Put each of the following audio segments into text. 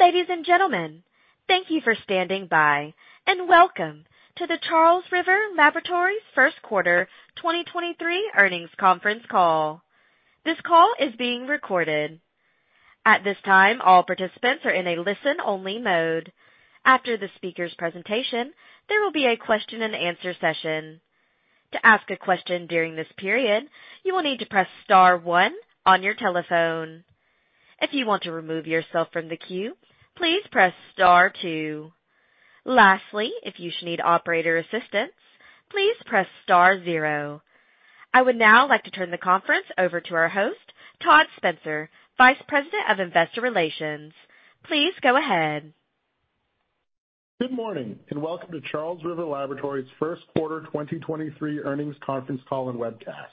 Ladies and gentlemen, thank you for standing by, welcome to the Charles River Laboratories First Quarter 2023 Earnings Conference Call. This call is being recorded. At this time, all participants are in a listen-only mode. After the speakers' presentation, there will be a question-and-answer session. To ask a question during this period, you will need to press star one on your telephone. If you want to remove yourself from the queue, please press star two. Lastly, if you should need operator assistance, please press star zero. I would now like to turn the conference over to our host, Todd Spencer, Vice President of Investor Relations. Please go ahead. Good morning, welcome to Charles River Laboratories first quarter 2023 earnings conference call and webcast.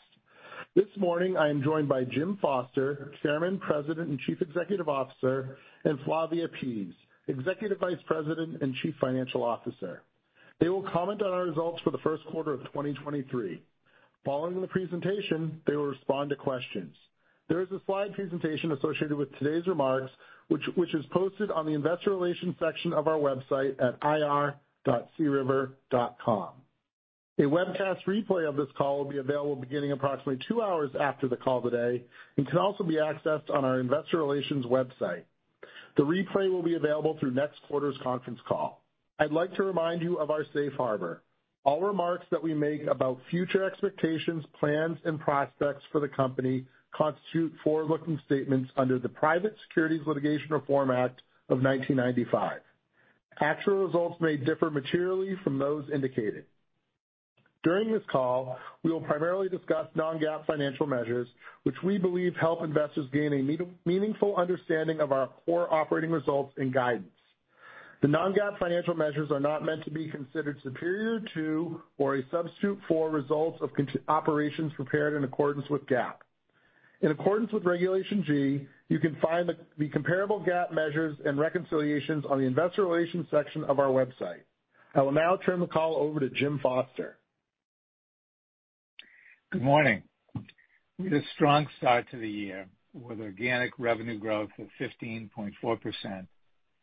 This morning, I am joined by Jim Foster, Chairman, President, and Chief Executive Officer, and Flavia Pease, Executive Vice President and Chief Financial Officer. They will comment on our results for the first quarter of 2023. Following the presentation, they will respond to questions. There is a slide presentation associated with today's remarks, which is posted on the investor relations section of our website at ir.criver.com. A webcast replay of this call will be available beginning approximately two hours after the call today and can also be accessed on our investor relations website. The replay will be available through next quarter's conference call. I'd like to remind you of our safe harbor. All remarks that we make about future expectations, plans, and prospects for the company constitute forward-looking statements under the Private Securities Litigation Reform Act of 1995. Actual results may differ materially from those indicated. During this call, we will primarily discuss non-GAAP financial measures, which we believe help investors gain a meaningful understanding of our core operating results and guidance. The non-GAAP financial measures are not meant to be considered superior to or a substitute for results of operations prepared in accordance with GAAP. In accordance with Regulation G, you can find the comparable GAAP measures and reconciliations on the investor relations section of our website. I will now turn the call over to Jim Foster. Good morning. We had a strong start to the year with organic revenue growth of 15.4%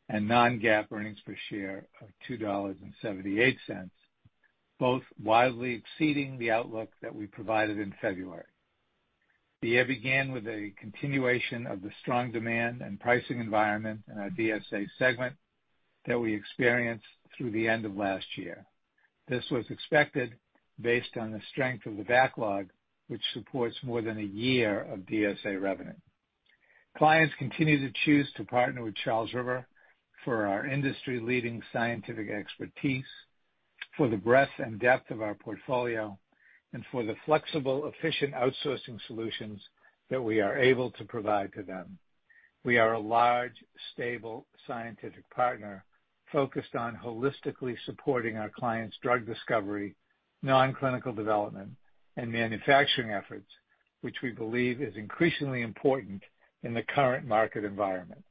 and non-GAAP earnings per share of $2.78, both wildly exceeding the outlook that we provided in February. The year began with a continuation of the strong demand and pricing environment in our DSA segment that we experienced through the end of last year. This was expected based on the strength of the backlog, which supports more than a year of DSA revenue. Clients continue to choose to partner with Charles River for our industry-leading scientific expertise, for the breadth and depth of our portfolio, and for the flexible, efficient outsourcing solutions that we are able to provide to them. We are a large, stable scientific partner focused on holistically supporting our clients' drug discovery, non-clinical development, and manufacturing efforts, which we believe is increasingly important in the current market environment.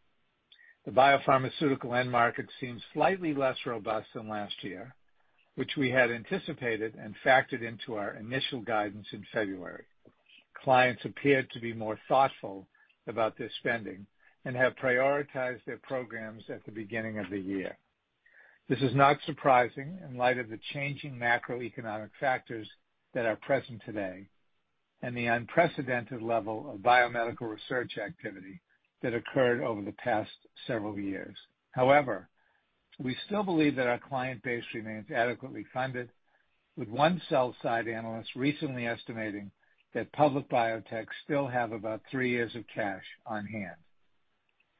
The biopharmaceutical end market seems slightly less robust than last year, which we had anticipated and factored into our initial guidance in February. Clients appeared to be more thoughtful about their spending and have prioritized their programs at the beginning of the year. This is not surprising in light of the changing macroeconomic factors that are present today and the unprecedented level of biomedical research activity that occurred over the past several years. We still believe that our client base remains adequately funded, with one sell side analyst recently estimating that public biotechs still have about three years of cash on hand.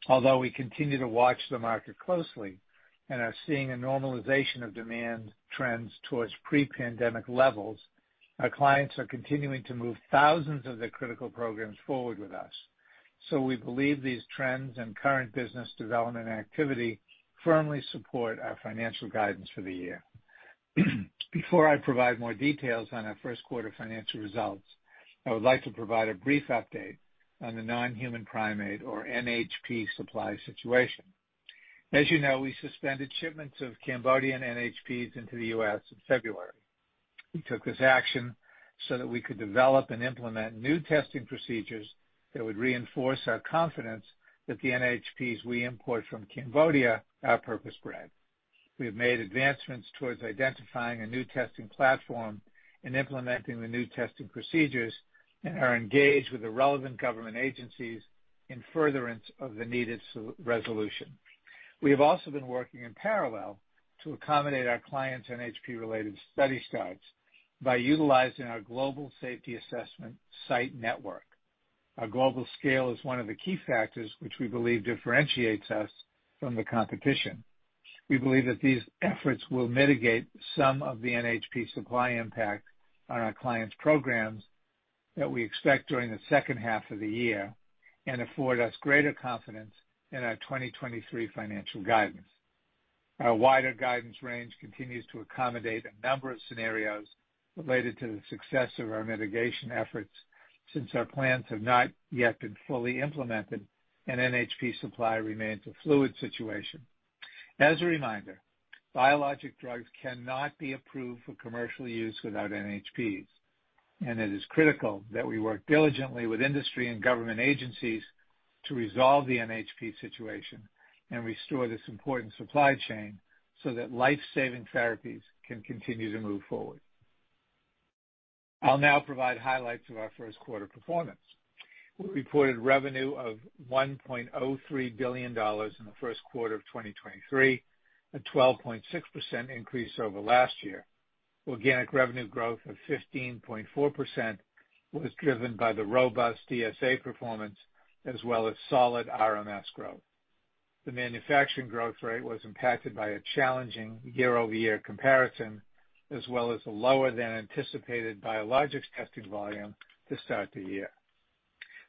Although we continue to watch the market closely and are seeing a normalization of demand trends towards pre-pandemic levels, our clients are continuing to move thousands of their critical programs forward with us, so we believe these trends and current business development activity firmly support our financial guidance for the year. Before I provide more details on our first quarter financial results, I would like to provide a brief update on the non-human primate, or NHP, supply situation. As you know, we suspended shipments of Cambodian NHPs into the U.S. in February. We took this action so that we could develop and implement new testing procedures that would reinforce our confidence that the NHPs we import from Cambodia are purpose-bred. We have made advancements towards identifying a new testing platform and implementing the new testing procedures and are engaged with the relevant government agencies in furtherance of the needed resolution. We have also been working in parallel to accommodate our clients' NHP-related study starts by utilizing our global safety assessment site network. Our global scale is one of the key factors which we believe differentiates us from the competition. We believe that these efforts will mitigate some of the NHP supply impact on our clients' programs that we expect during the second half of the year and afford us greater confidence in our 2023 financial guidance. Our wider guidance range continues to accommodate a number of scenarios related to the success of our mitigation efforts since our plans have not yet been fully implemented and NHP supply remains a fluid situation. As a reminder, biologic drugs cannot be approved for commercial use without NHPs, and it is critical that we work diligently with industry and government agencies to resolve the NHP situation and restore this important supply chain so that life-saving therapies can continue to move forward. I'll now provide highlights of our first quarter performance. We reported revenue of $1.03 billion in the first quarter of 2023, a 12.6% increase over last year. Organic revenue growth of 15.4% was driven by the robust DSA performance as well as solid RMS growth. The manufacturing growth rate was impacted by a challenging year-over-year comparison, as well as a lower than anticipated biologics testing volume to start the year.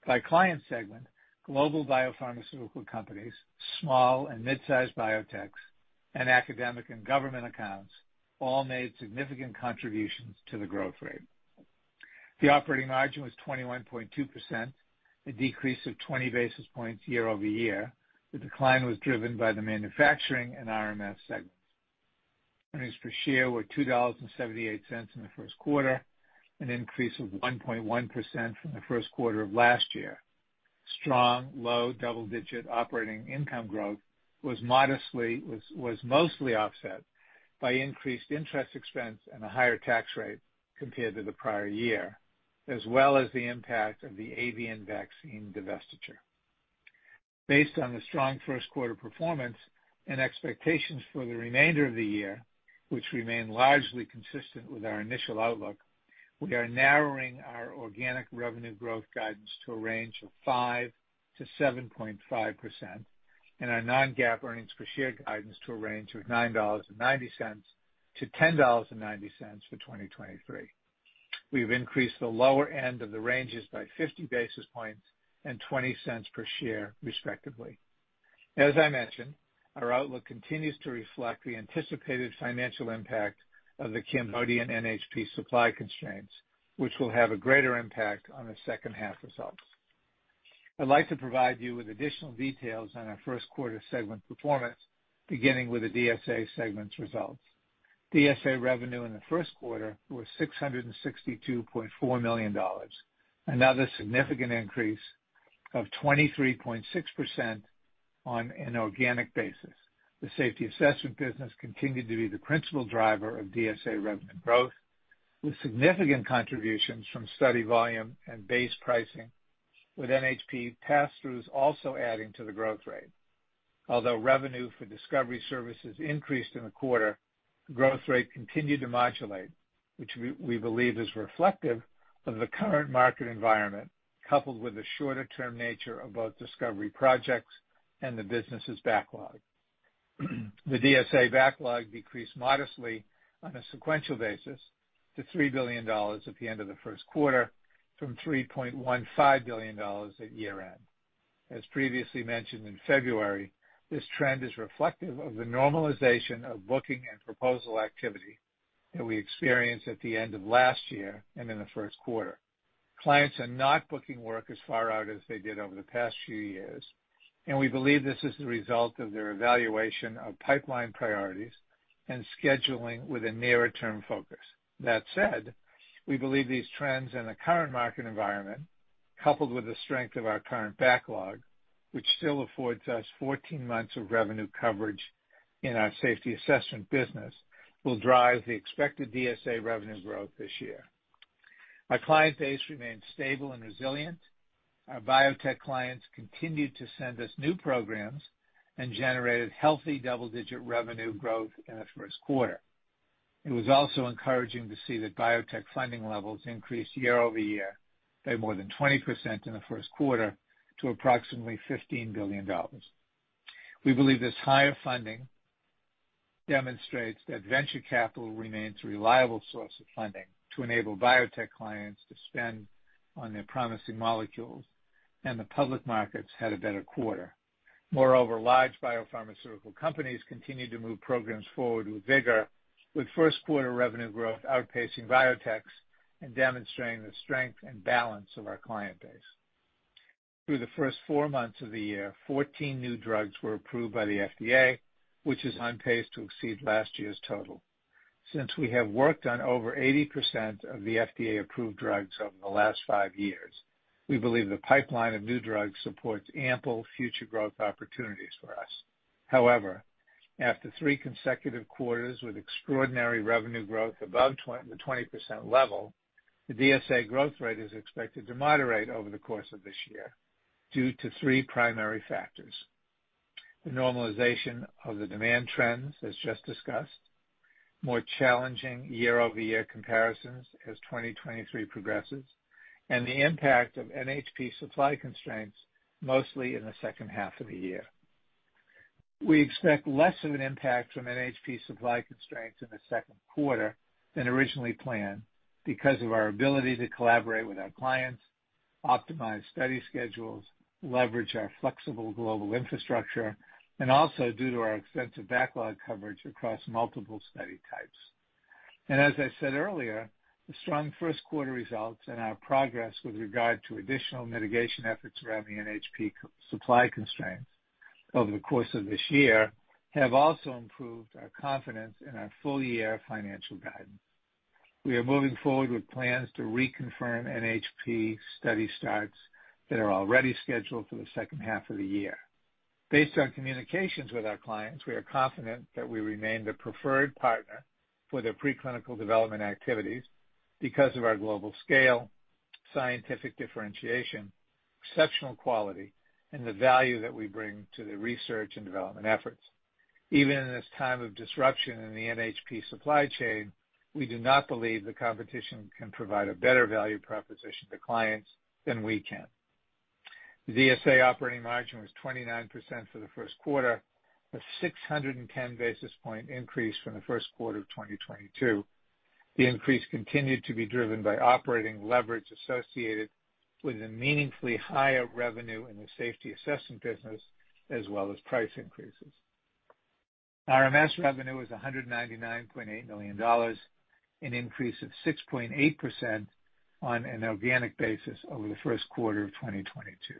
By client segment, global biopharmaceutical companies, small and mid-sized biotechs and academic and government accounts all made significant contributions to the growth rate. The operating margin was 21.2%, a decrease of 20 basis points year-over-year. The decline was driven by the manufacturing and RMS segments. Earnings per share were $2.78 in the first quarter, an increase of 1.1% from the first quarter of last year. Strong, low-double-digit operating income growth was mostly offset by increased interest expense and a higher tax rate compared to the prior year, as well as the impact of the avian vaccine divestiture. Based on the strong first quarter performance and expectations for the remainder of the year, which remain largely consistent with our initial outlook, we are narrowing our organic revenue growth guidance to a range of 5%-7.5% and our non-GAAP earnings per share guidance to a range of $9.90-$10.90 for 2023. We've increased the lower end of the ranges by 50 basis points and $0.20 per share, respectively. As I mentioned, our outlook continues to reflect the anticipated financial impact of the Cambodian NHP supply constraints, which will have a greater impact on the second half results. I'd like to provide you with additional details on our first quarter segment performance, beginning with the DSA segment's results. DSA revenue in the first quarter was $662.4 million, another significant increase of 23.6% on an organic basis. The safety assessment business continued to be the principal driver of DSA revenue growth, with significant contributions from study volume and base pricing, with NHP passthroughs also adding to the growth rate. Although revenue for discovery services increased in the quarter, the growth rate continued to modulate, which we believe is reflective of the current market environment, coupled with the shorter-term nature of both discovery projects and the business's backlog. The DSA backlog decreased modestly on a sequential basis to $3 billion at the end of the first quarter from $3.15 billion at year-end. As previously mentioned in February, this trend is reflective of the normalization of booking and proposal activity that we experienced at the end of last year and in the first quarter. Clients are not booking work as far out as they did over the past few years, and we believe this is the result of their evaluation of pipeline priorities and scheduling with a nearer term focus. That said, we believe these trends in the current market environment, coupled with the strength of our current backlog, which still affords us 14 months of revenue coverage in our safety assessment business, will drive the expected DSA revenue growth this year. Our client base remained stable and resilient. Our biotech clients continued to send us new programs and generated healthy double-digit revenue growth in the first quarter. It was also encouraging to see that biotech funding levels increased year-over-year by more than 20% in the first quarter to approximately $15 billion. The public markets had a better quarter. We believe this higher funding demonstrates that venture capital remains a reliable source of funding to enable biotech clients to spend on their promising molecules. Large biopharmaceutical companies continued to move programs forward with vigor, with first quarter revenue growth outpacing biotechs and demonstrating the strength and balance of our client base. Through the first four months of the year, 14 new drugs were approved by the FDA, which is on pace to exceed last year's total. Since we have worked on over 80% of the FDA-approved drugs over the last five years, we believe the pipeline of new drugs supports ample future growth opportunities for us. After three consecutive quarters with extraordinary revenue growth above the 20% level, the DSA growth rate is expected to moderate over the course of this year due to three primary factors. The normalization of the demand trends, as just discussed, more challenging year-over-year comparisons as 2023 progresses, and the impact of NHP supply constraints, mostly in the second half of the year. We expect less of an impact from NHP supply constraints in the second quarter than originally planned because of our ability to collaborate with our clients, optimize study schedules, leverage our flexible global infrastructure, and also due to our extensive backlog coverage across multiple study types. As I said earlier, the strong first quarter results and our progress with regard to additional mitigation efforts around the NHP co-supply constraints over the course of this year have also improved our confidence in our full-year financial guidance. We are moving forward with plans to reconfirm NHP study starts that are already scheduled for the second half of the year. Based on communications with our clients, we are confident that we remain the preferred partner for their preclinical development activities because of our global scale, scientific differentiation, exceptional quality, and the value that we bring to the research and development efforts. Even in this time of disruption in the NHP supply chain, we do not believe the competition can provide a better value proposition to clients than we can. The DSA operating margin was 29% for the first quarter, a 610 basis point increase from the first quarter of 2022. The increase continued to be driven by operating leverage associated with a meaningfully higher revenue in the safety assessment business, as well as price increases. RMS revenue was $199.8 million, an increase of 6.8% on an organic basis over the first quarter of 2022.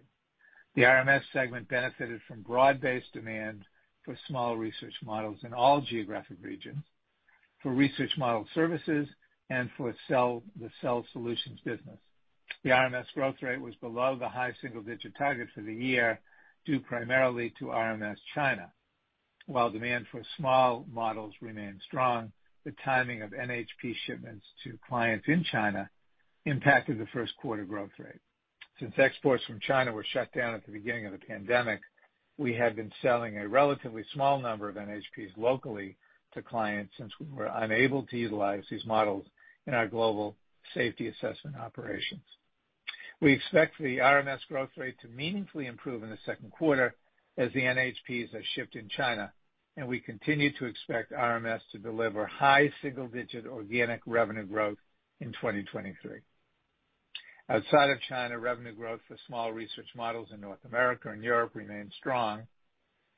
The RMS segment benefited from broad-based demand for small research models in all geographic regions, for research model services, and for the cell solutions business. The RMS growth rate was below the high single-digit target for the year, due primarily to RMS China. While demand for small models remained strong, the timing of NHP shipments to clients in China impacted the first quarter growth rate. Since exports from China were shut down at the beginning of the pandemic, we have been selling a relatively small number of NHPs locally to clients since we were unable to utilize these models in our global safety assessment operations. We expect the RMS growth rate to meaningfully improve in the second quarter as the NHPs are shipped in China, and we continue to expect RMS to deliver high single-digit organic revenue growth in 2023. Outside of China, revenue growth for small research models in North America and Europe remained strong,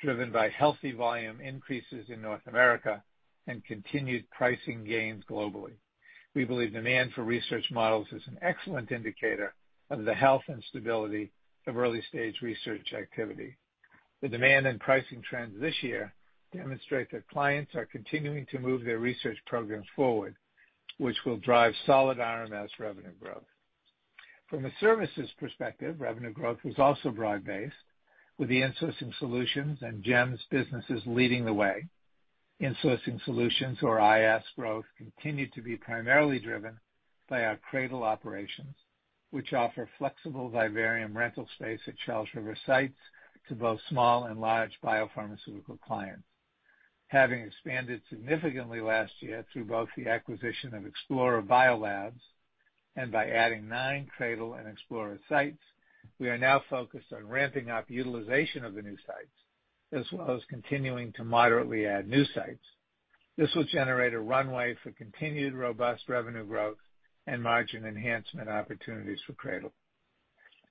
driven by healthy volume increases in North America and continued pricing gains globally. We believe demand for research models is an excellent indicator of the health and stability of early-stage research activity. The demand and pricing trends this year demonstrate that clients are continuing to move their research programs forward, which will drive solid RMS revenue growth. From a services perspective, revenue growth was also broad-based, with the Insourcing Solutions and GEMS businesses leading the way. Insourcing Solutions, or IS growth, continued to be primarily driven by our CRADL operations, which offer flexible vivarium rental space at Charles River sites to both small and large biopharmaceutical clients. Having expanded significantly last year through both the acquisition of Explora BioLabs and by adding nine CRADL and Explora sites, we are now focused on ramping up utilization of the new sites, as well as continuing to moderately add new sites. This will generate a runway for continued robust revenue growth and margin enhancement opportunities for CRADL.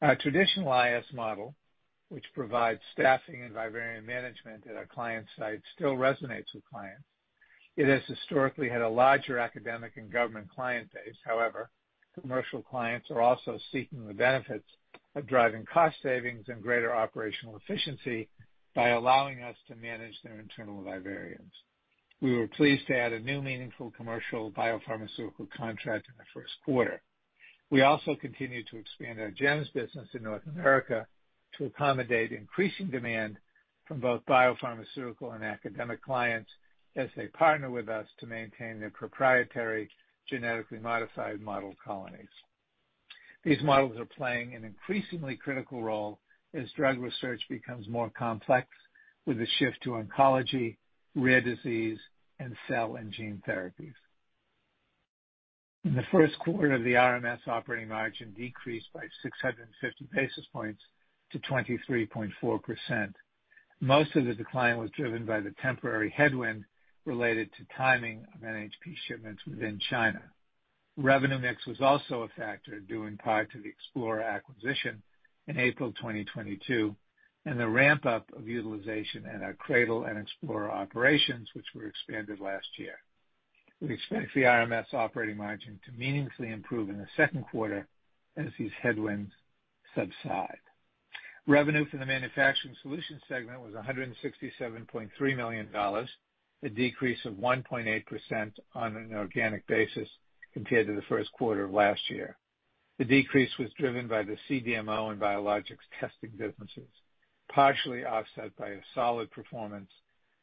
Our traditional IS model, which provides staffing and vivarium management at our client sites, still resonates with clients. It has historically had a larger academic and government client base. However, commercial clients are also seeking the benefits of driving cost savings and greater operational efficiency by allowing us to manage their internal vivariums. We were pleased to add a new meaningful commercial biopharmaceutical contract in the first quarter. We also continued to expand our GEMS business in North America to accommodate increasing demand from both biopharmaceutical and academic clients as they partner with us to maintain their proprietary genetically modified model colonies. These models are playing an increasingly critical role as drug research becomes more complex with the shift to oncology, rare disease, and cell and gene therapies. In the first quarter, the RMS operating margin decreased by 650 basis points to 23.4%. Most of the decline was driven by the temporary headwind related to timing of NHP shipments within China. Revenue mix was also a factor due in part to the Explora acquisition in April of 2022 and the ramp-up of utilization at our CRADL and Explora operations, which were expanded last year. We expect the RMS operating margin to meaningfully improve in the second quarter as these headwinds subside. Revenue for the manufacturing solutions segment was $167.3 million, a decrease of 1.8% on an organic basis compared to the first quarter of last year. The decrease was driven by the CDMO and biologics testing businesses, partially offset by a solid performance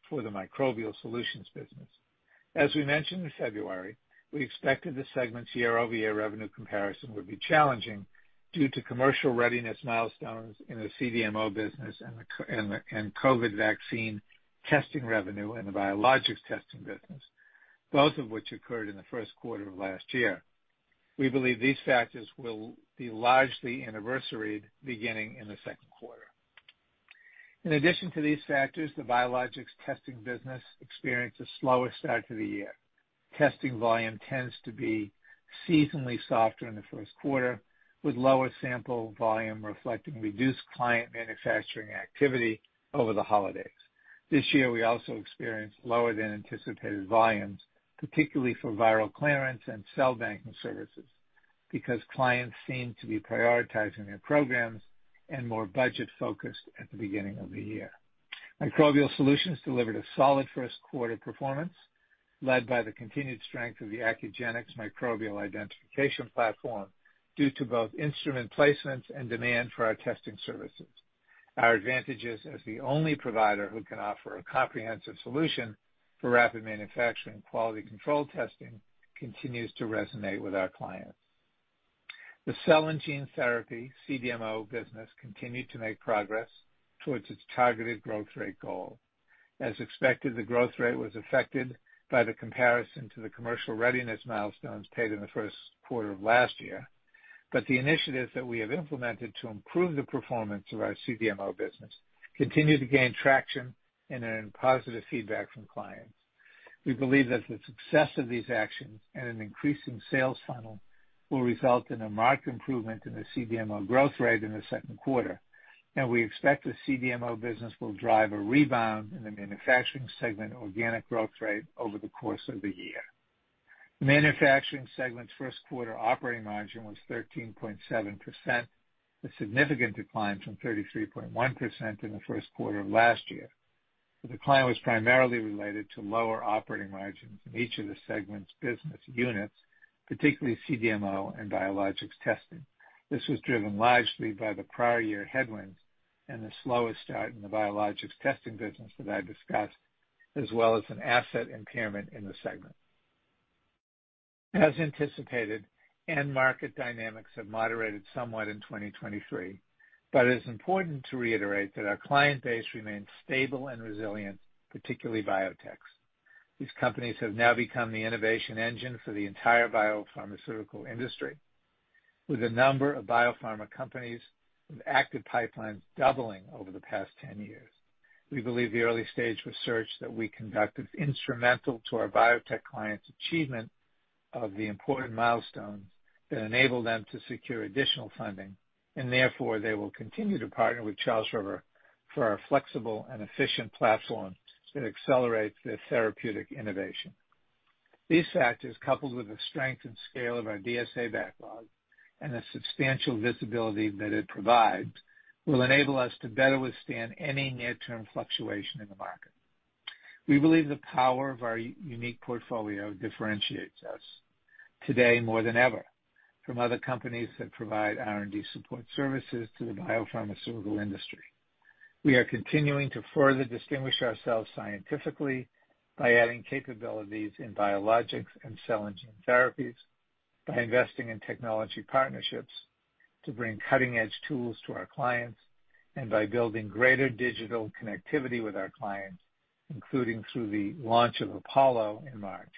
for the microbial solutions business. We mentioned in February, we expected the segment's year-over-year revenue comparison would be challenging due to commercial readiness milestones in the CDMO business and COVID vaccine testing revenue in the biologics testing business, both of which occurred in the first quarter of last year. We believe these factors will be largely anniversaried beginning in the second quarter. In addition to these factors, the biologics testing business experienced a slower start to the year. Testing volume tends to be seasonally softer in the first quarter, with lower sample volume reflecting reduced client manufacturing activity over the holidays. This year, we also experienced lower than anticipated volumes, particularly for viral clearance and cell banking services. Clients seem to be prioritizing their programs and more budget-focused at the beginning of the year. Microbial Solutions delivered a solid first quarter performance, led by the continued strength of the Accugenix microbial identification platform due to both instrument placements and demand for our testing services. Our advantages as the only provider who can offer a comprehensive solution for rapid manufacturing quality control testing continues to resonate with our clients. The cell and gene therapy CDMO business continued to make progress towards its targeted growth rate goal. As expected, the growth rate was affected by the comparison to the commercial readiness milestones paid in the first quarter of last year. The initiatives that we have implemented to improve the performance of our CDMO business continue to gain traction and earn positive feedback from clients. We believe that the success of these actions and an increasing sales funnel will result in a marked improvement in the CDMO growth rate in the second quarter, and we expect the CDMO business will drive a rebound in the manufacturing segment organic growth rate over the course of the year. Manufacturing segment's first quarter operating margin was 13.7%, a significant decline from 33.1% in the first quarter of last year. The decline was primarily related to lower operating margins in each of the segment's business units, particularly CDMO and Biologics Testing. This was driven largely by the prior year headwinds and the slower start in the Biologics Testing business that I discussed, as well as an asset impairment in the segment. As anticipated, end market dynamics have moderated somewhat in 2023. It is important to reiterate that our client base remains stable and resilient, particularly biotechs. These companies have now become the innovation engine for the entire biopharmaceutical industry, with a number of biopharma companies with active pipelines doubling over the past 10 years. We believe the early-stage research that we conducted is instrumental to our biotech clients' achievement of the important milestones that enable them to secure additional funding. Therefore, they will continue to partner with Charles River for our flexible and efficient platform that accelerates their therapeutic innovation. These factors, coupled with the strength and scale of our DSA backlog and the substantial visibility that it provides, will enable us to better withstand any near-term fluctuation in the market. We believe the power of our unique portfolio differentiates us today more than ever from other companies that provide R&D support services to the biopharmaceutical industry. We are continuing to further distinguish ourselves scientifically by adding capabilities in biologics and cell gene therapies, by investing in technology partnerships to bring cutting-edge tools to our clients, and by building greater digital connectivity with our clients, including through the launch of Apollo in March.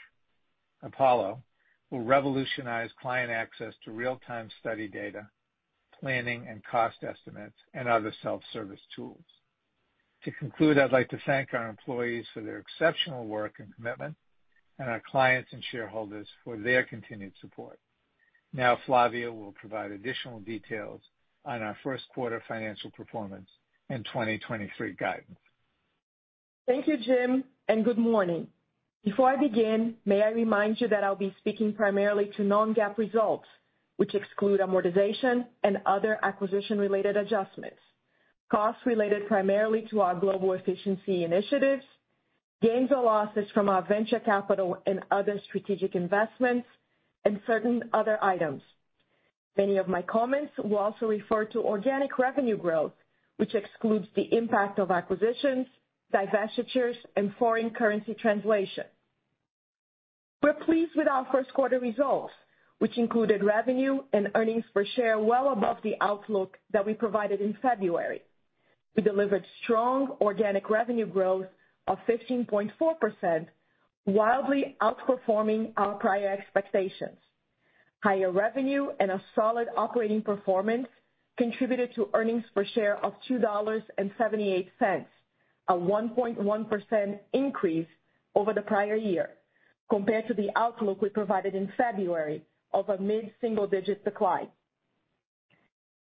Apollo will revolutionize client access to real-time study data, planning and cost estimates, and other self-service tools. To conclude, I'd like to thank our employees for their exceptional work and commitment and our clients and shareholders for their continued support. Now, Flavia will provide additional details on our first quarter financial performance and 2023 guidance. Thank you, Jim, and good morning. Before I begin, may I remind you that I'll be speaking primarily to non-GAAP results, which exclude amortization and other acquisition-related adjustments, costs related primarily to our global efficiency initiatives, gains or losses from our venture capital and other strategic investments, and certain other items. Many of my comments will also refer to organic revenue growth, which excludes the impact of acquisitions, divestitures, and foreign currency translation. We're pleased with our first quarter results, which included revenue and earnings per share well above the outlook that we provided in February. We delivered strong organic revenue growth of 15.4%, wildly outperforming our prior expectations. Higher revenue and a solid operating performance contributed to earnings per share of $2.78, a 1.1% increase over the prior year compared to the outlook we provided in February of a mid-single-digit decline.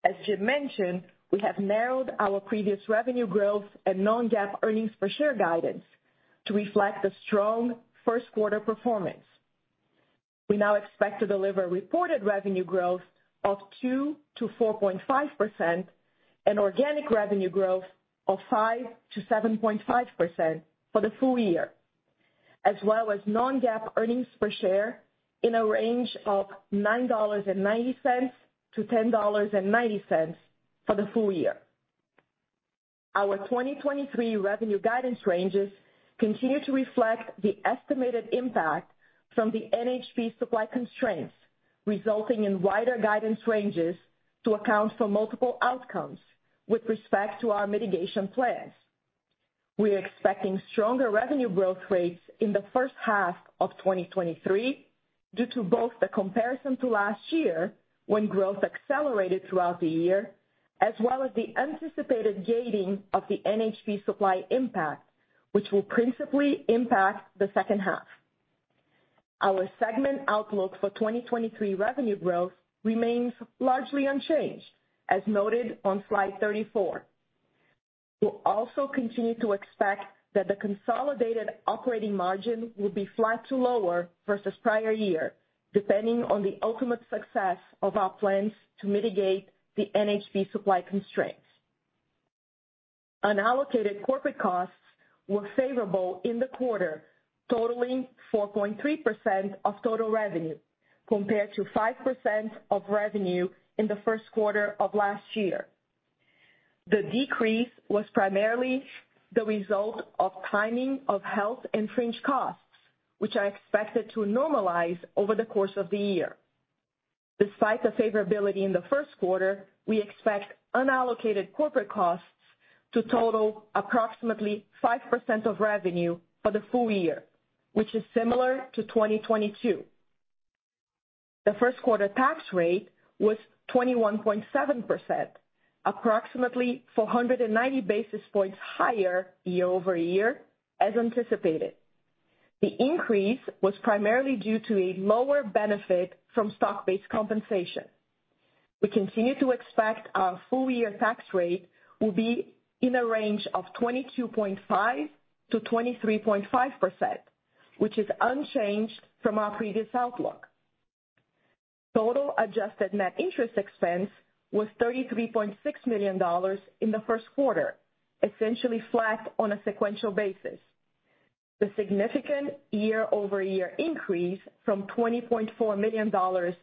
As Jim mentioned, we have narrowed our previous revenue growth and non-GAAP earnings per share guidance to reflect the strong first quarter performance. We now expect to deliver reported revenue growth of 2%-4.5% and organic revenue growth of 5%-7.5% for the full year, as well as non-GAAP earnings per share in a range of $9.90-$10.90 for the full year. Our 2023 revenue guidance ranges continue to reflect the estimated impact from the NHP supply constraints, resulting in wider guidance ranges to account for multiple outcomes with respect to our mitigation plans. We're expecting stronger revenue growth rates in the first half of 2023 due to both the comparison to last year, when growth accelerated throughout the year, as well as the anticipated gating of the NHP supply impact, which will principally impact the second half. Our segment outlook for 2023 revenue growth remains largely unchanged, as noted on slide 34. We'll also continue to expect that the consolidated operating margin will be flat to lower versus prior year, depending on the ultimate success of our plans to mitigate the NHP supply constraints. Unallocated corporate costs were favorable in the quarter, totaling 4.3% of total revenue, compared to 5% of revenue in the first quarter of last year. The decrease was primarily the result of timing of health and fringe costs, which are expected to normalize over the course of the year. Despite the favorability in the first quarter, we expect unallocated corporate costs to total approximately 5% of revenue for the full year, which is similar to 2022. The first quarter tax rate was 21.7%, approximately 490 basis points higher year-over-year as anticipated. The increase was primarily due to a lower benefit from stock-based compensation. We continue to expect our full year tax rate will be in a range of 22.5%-23.5%, which is unchanged from our previous outlook. Total adjusted net interest expense was $33.6 million in the first quarter, essentially flat on a sequential basis. The significant year-over-year increase from $20.4 million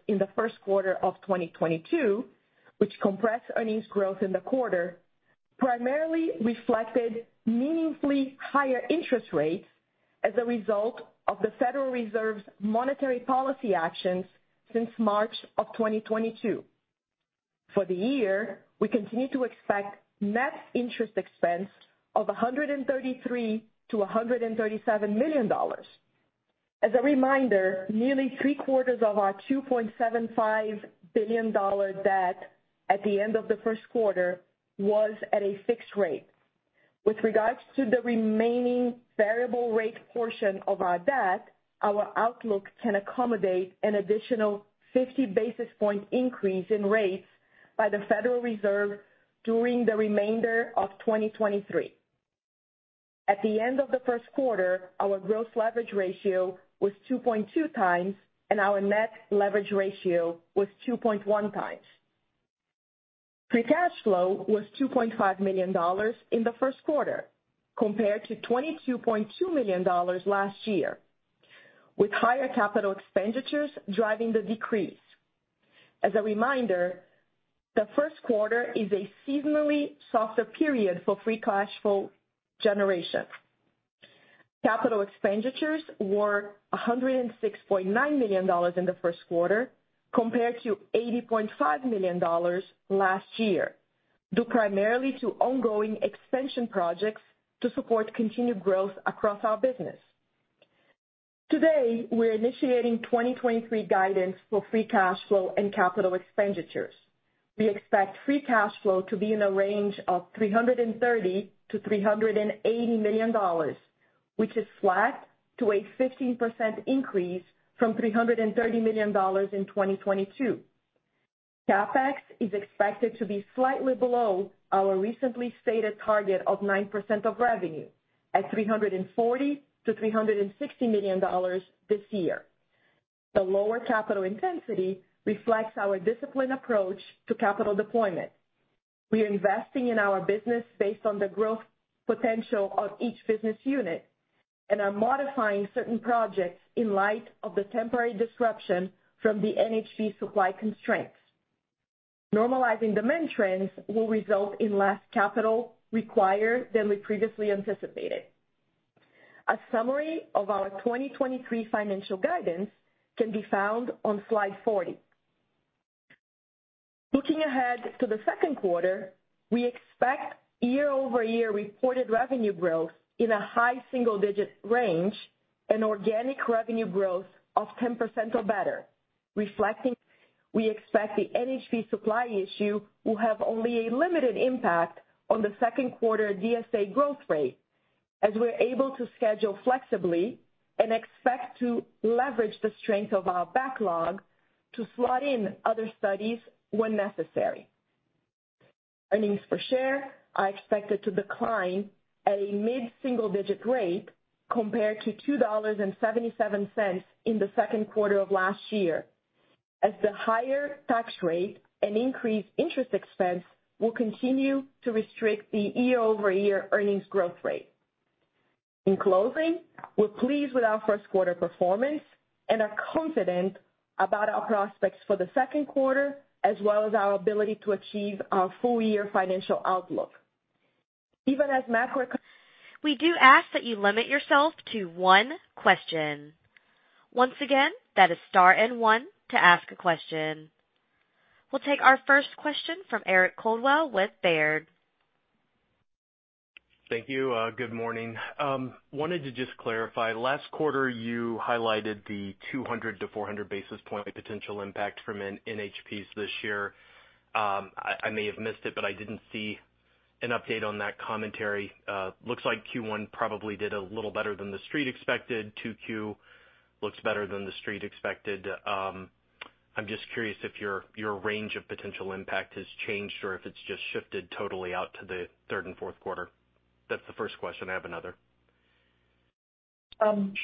in the first quarter of 2022, which compressed earnings growth in the quarter, primarily reflected meaningfully higher interest rates as a result of the Federal Reserve's monetary policy actions since March of 2022. For the year, we continue to expect net interest expense of $133 million-$137 million. As a reminder, nearly three-quarters of our $2.75 billion debt at the end of the first quarter was at a fixed rate. With regards to the remaining variable rate portion of our debt, our outlook can accommodate an additional 50 basis point increase in rates by the Federal Reserve during the remainder of 2023. At the end of the first quarter, our gross leverage ratio was 2.2x, and our net leverage ratio was 2.1x. Free cash flow was $2.5 million in the first quarter, compared to $22.2 million last year, with higher capital expenditures driving the decrease. As a reminder, the first quarter is a seasonally softer period for free cash flow generation. Capital expenditures were $106.9 million in the first quarter, compared to $80.5 million last year, due primarily to ongoing expansion projects to support continued growth across our business. Today, we're initiating 2023 guidance for free cash flow and capital expenditures. We expect free cash flow to be in a range of $330 million-$380 million, which is flat to a 15% increase from $330 million in 2022. CapEx is expected to be slightly below our recently stated target of 9% of revenue at $340 million-$360 million this year. The lower capital intensity reflects our disciplined approach to capital deployment. We are investing in our business based on the growth potential of each business unit and are modifying certain projects in light of the temporary disruption from the NHP supply constraints. Normalizing demand trends will result in less capital required than we previously anticipated. A summary of our 2023 financial guidance can be found on slide 40. Looking ahead to the second quarter, we expect year-over-year reported revenue growth in a high single-digit range and organic revenue growth of 10% or better. Reflecting, we expect the NHP supply issue will have only a limited impact on the second quarter DSA growth rate, as we're able to schedule flexibly and expect to leverage the strength of our backlog to slot in other studies when necessary. Earnings per share are expected to decline at a mid-single-digit rate compared to $2.77 in the second quarter of last year, as the higher tax rate and increased interest expense will continue to restrict the year-over-year earnings growth rate. In closing, we're pleased with our first quarter performance and are confident about our prospects for the second quarter as well as our ability to achieve our full year financial outlook. Even as macro-- We do ask that you limit yourself to one question. Once again, that is star and one to ask a question. We'll take our first question from Eric Coldwell with Baird. Thank you. Good morning. Wanted to just clarify, last quarter you highlighted the 200-400 basis point potential impact from NHPs this year. I may have missed it, but I didn't see an update on that commentary. Looks like Q1 probably did a little better than the street expected. 2Q looks better than the street expected. I'm just curious if your range of potential impact has changed or if it's just shifted totally out to the third and fourth quarter? That's the first question. I have another.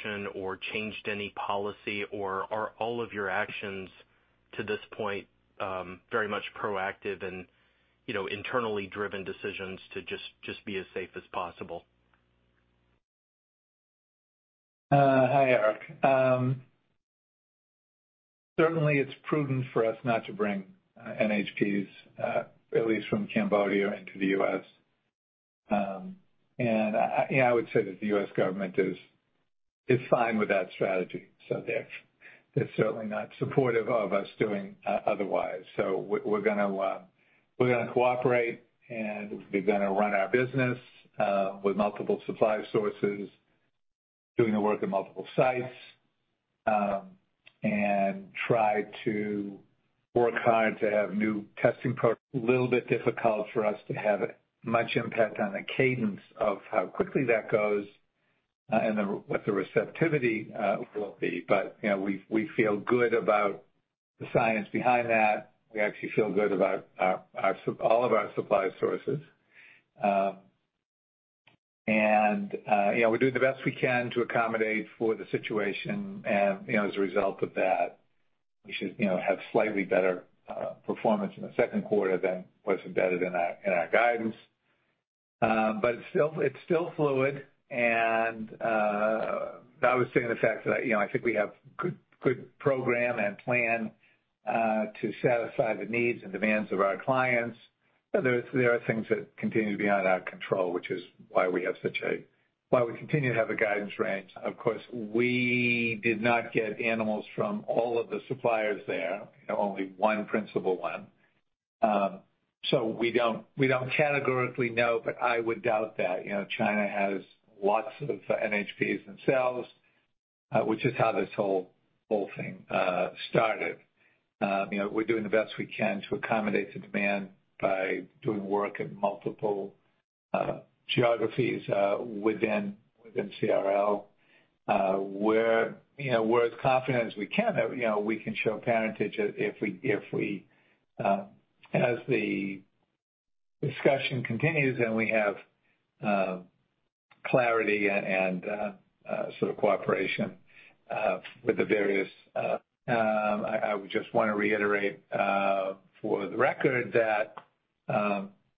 Changed any policy, or are all of your actions to this point, very much proactive and, you know, internally driven decisions to just be as safe as possible? Hi, Eric. Certainly it's prudent for us not to bring NHPs at least from Cambodia into the U.S. You know, I would say that the U.S. government is fine with that strategy. They're certainly not supportive of us doing otherwise. We're gonna cooperate, and we're gonna run our business with multiple supply sources, doing the work at multiple sites, and try to work hard to have new testing. A little bit difficult for us to have much impact on the cadence of how quickly that goes, and what the receptivity will be. You know, we feel good about the science behind that. We actually feel good about all of our supply sources. You know, we're doing the best we can to accommodate for the situation. You know, as a result of that, we should, you know, have slightly better performance in the second quarter than what's embedded in our guidance. It's still fluid and, I would say the fact that you know, I think we have good program and plan to satisfy the needs and demands of our clients. There's, there are things that continue to be out of our control, which is why we continue to have a guidance range. Of course, we did not get animals from all of the suppliers there, you know, only one principal one. We don't categorically know, but I would doubt that. You know, China has lots of NHPs themselves, which is how this whole thing started. You know, we're doing the best we can to accommodate the demand by doing work in multiple geographies within CRL. We're, you know, we're as confident as we can that, you know, we can show parentage if we, as the discussion continues and we have clarity and sort of cooperation with the various, I would just wanna reiterate for the record that,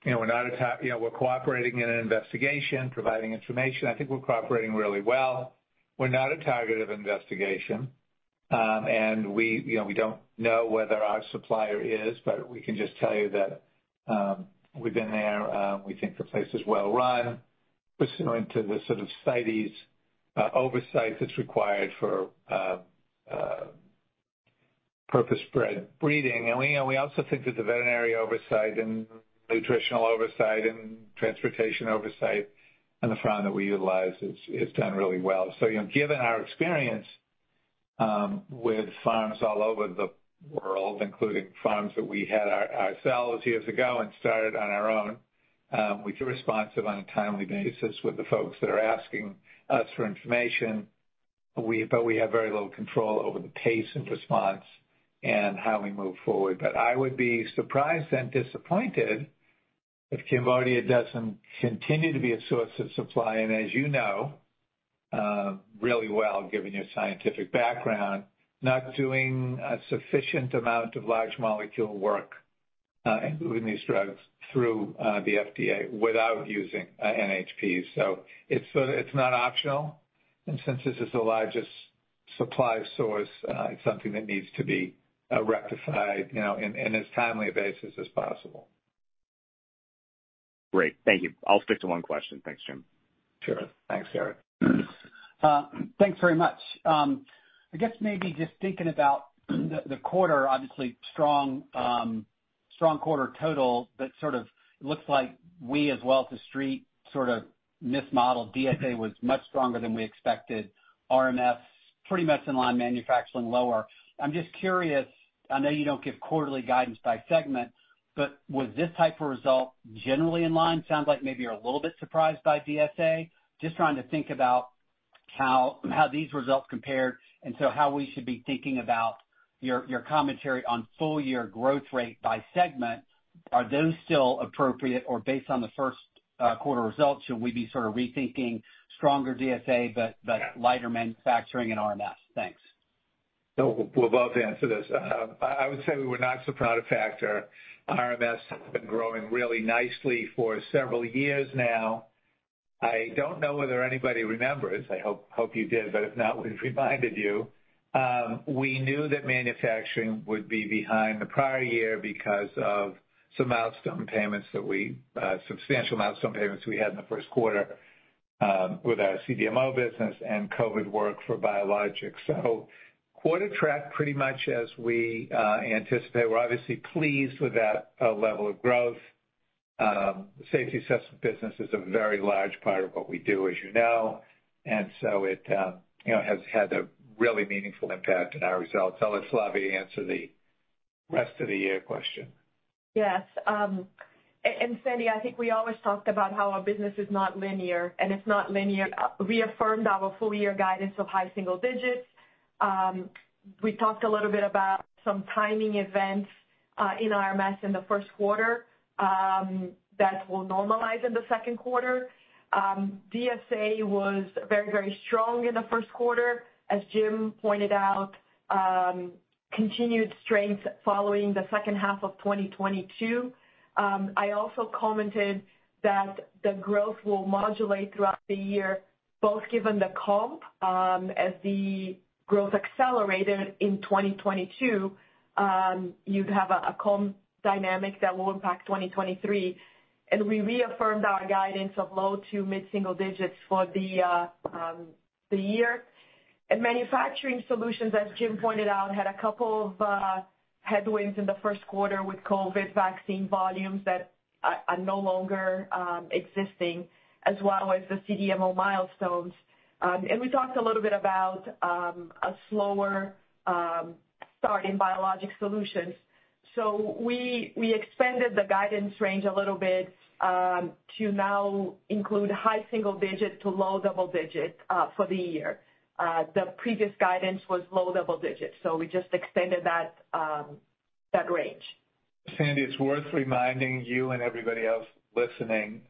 you know, we're not a, you know, we're cooperating in an investigation, providing information. I think we're cooperating really well. We're not a target of investigation. We, you know, we don't know whether our supplier is, but we can just tell you that, we've been there. We think the place is well run pursuant to the sort of CITES oversight that's required for purpose-bred breeding. We, you know, we also think that the veterinary oversight and nutritional oversight and transportation oversight on the farm that we utilize is done really well. You know, given our experience with farms all over the world, including farms that we had ourselves years ago and started on our own, we've been responsive on a timely basis with the folks that are asking us for information. We have very little control over the pace and response and how we move forward. I would be surprised and disappointed if Cambodia doesn't continue to be a source of supply. As you know, really well, given your scientific background, not doing a sufficient amount of large molecule work, including these drugs through the FDA without using NHPs. It's not optional. Since this is the largest supply source, it's something that needs to be rectified, you know, in as timely a basis as possible. Great. Thank you. I'll stick to one question. Thanks, Jim. Sure. Thanks, Eric. Thanks very much. I guess maybe just thinking about the quarter, obviously strong quarter total, but sort of looks like we as well as the Street sort of mismodeled. DSA was much stronger than we expected. RMS pretty much in line, manufacturing lower. I'm just curious, I know you don't give quarterly guidance by segment, but was this type of result generally in line? Sounds like maybe you're a little bit surprised by DSA. Just trying to think about how these results compared, and so how we should be thinking about your commentary on full year growth rate by segment. Are those still appropriate or based on the first quarter results, should we be sort of rethinking stronger DSA but lighter manufacturing and RMS? Thanks. We'll both answer this. I would say we were not surprised at Factor. RMS has been growing really nicely for several years now. I don't know whether anybody remembers, I hope you did, but if not, we've reminded you. We knew that manufacturing would be behind the prior year because of some substantial milestone payments we had in the first quarter, with our CDMO business and COVID work for Biologics. Quarter track pretty much as we anticipate. We're obviously pleased with that level of growth. Safety assessment business is a very large part of what we do, as you know. It, you know, has had a really meaningful impact in our results. I'll let Flavia answer the rest of the year question. Yes. Sandy, I think we always talked about how our business is not linear, and it's not linear. We affirmed our full year guidance of high single digits. We talked a little bit about some timing events in RMS in the first quarter that will normalize in the second quarter. DSA was very, very strong in the first quarter, as Jim pointed out. Continued strength following the second half of 2022. I also commented that the growth will modulate throughout the year, both given the comp, as the growth accelerated in 2022, you'd have a comp dynamic that will impact 2023. We reaffirmed our guidance of low to mid-single digits for the year. In manufacturing solutions, as Jim pointed out, had a couple of headwinds in the first quarter with COVID vaccine volumes that are no longer existing, as well as the CDMO milestones. We talked a little bit about a slower start in biologic solutions. We expanded the guidance range a little bit to now include high single-digit to low double-digit for the year. The previous guidance was low double-digits, we just extended that range. Sandy, it's worth reminding you and everybody else listening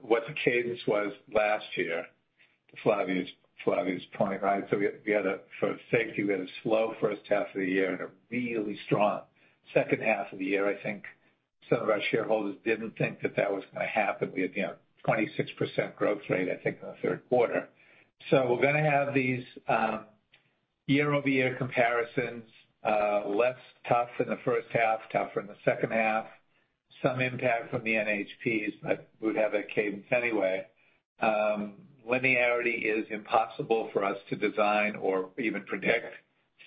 what the cadence was last year to Flavia's point, right? We had a slow first half of the year and a really strong second half of the year. I think some of our shareholders didn't think that that was gonna happen. We had, you know, 26% growth rate, I think, in the third quarter. We're gonna have these year-over-year comparisons, less tough in the first half, tougher in the second half. Some impact from the NHPs, we'd have that cadence anyway. Linearity is impossible for us to design or even predict.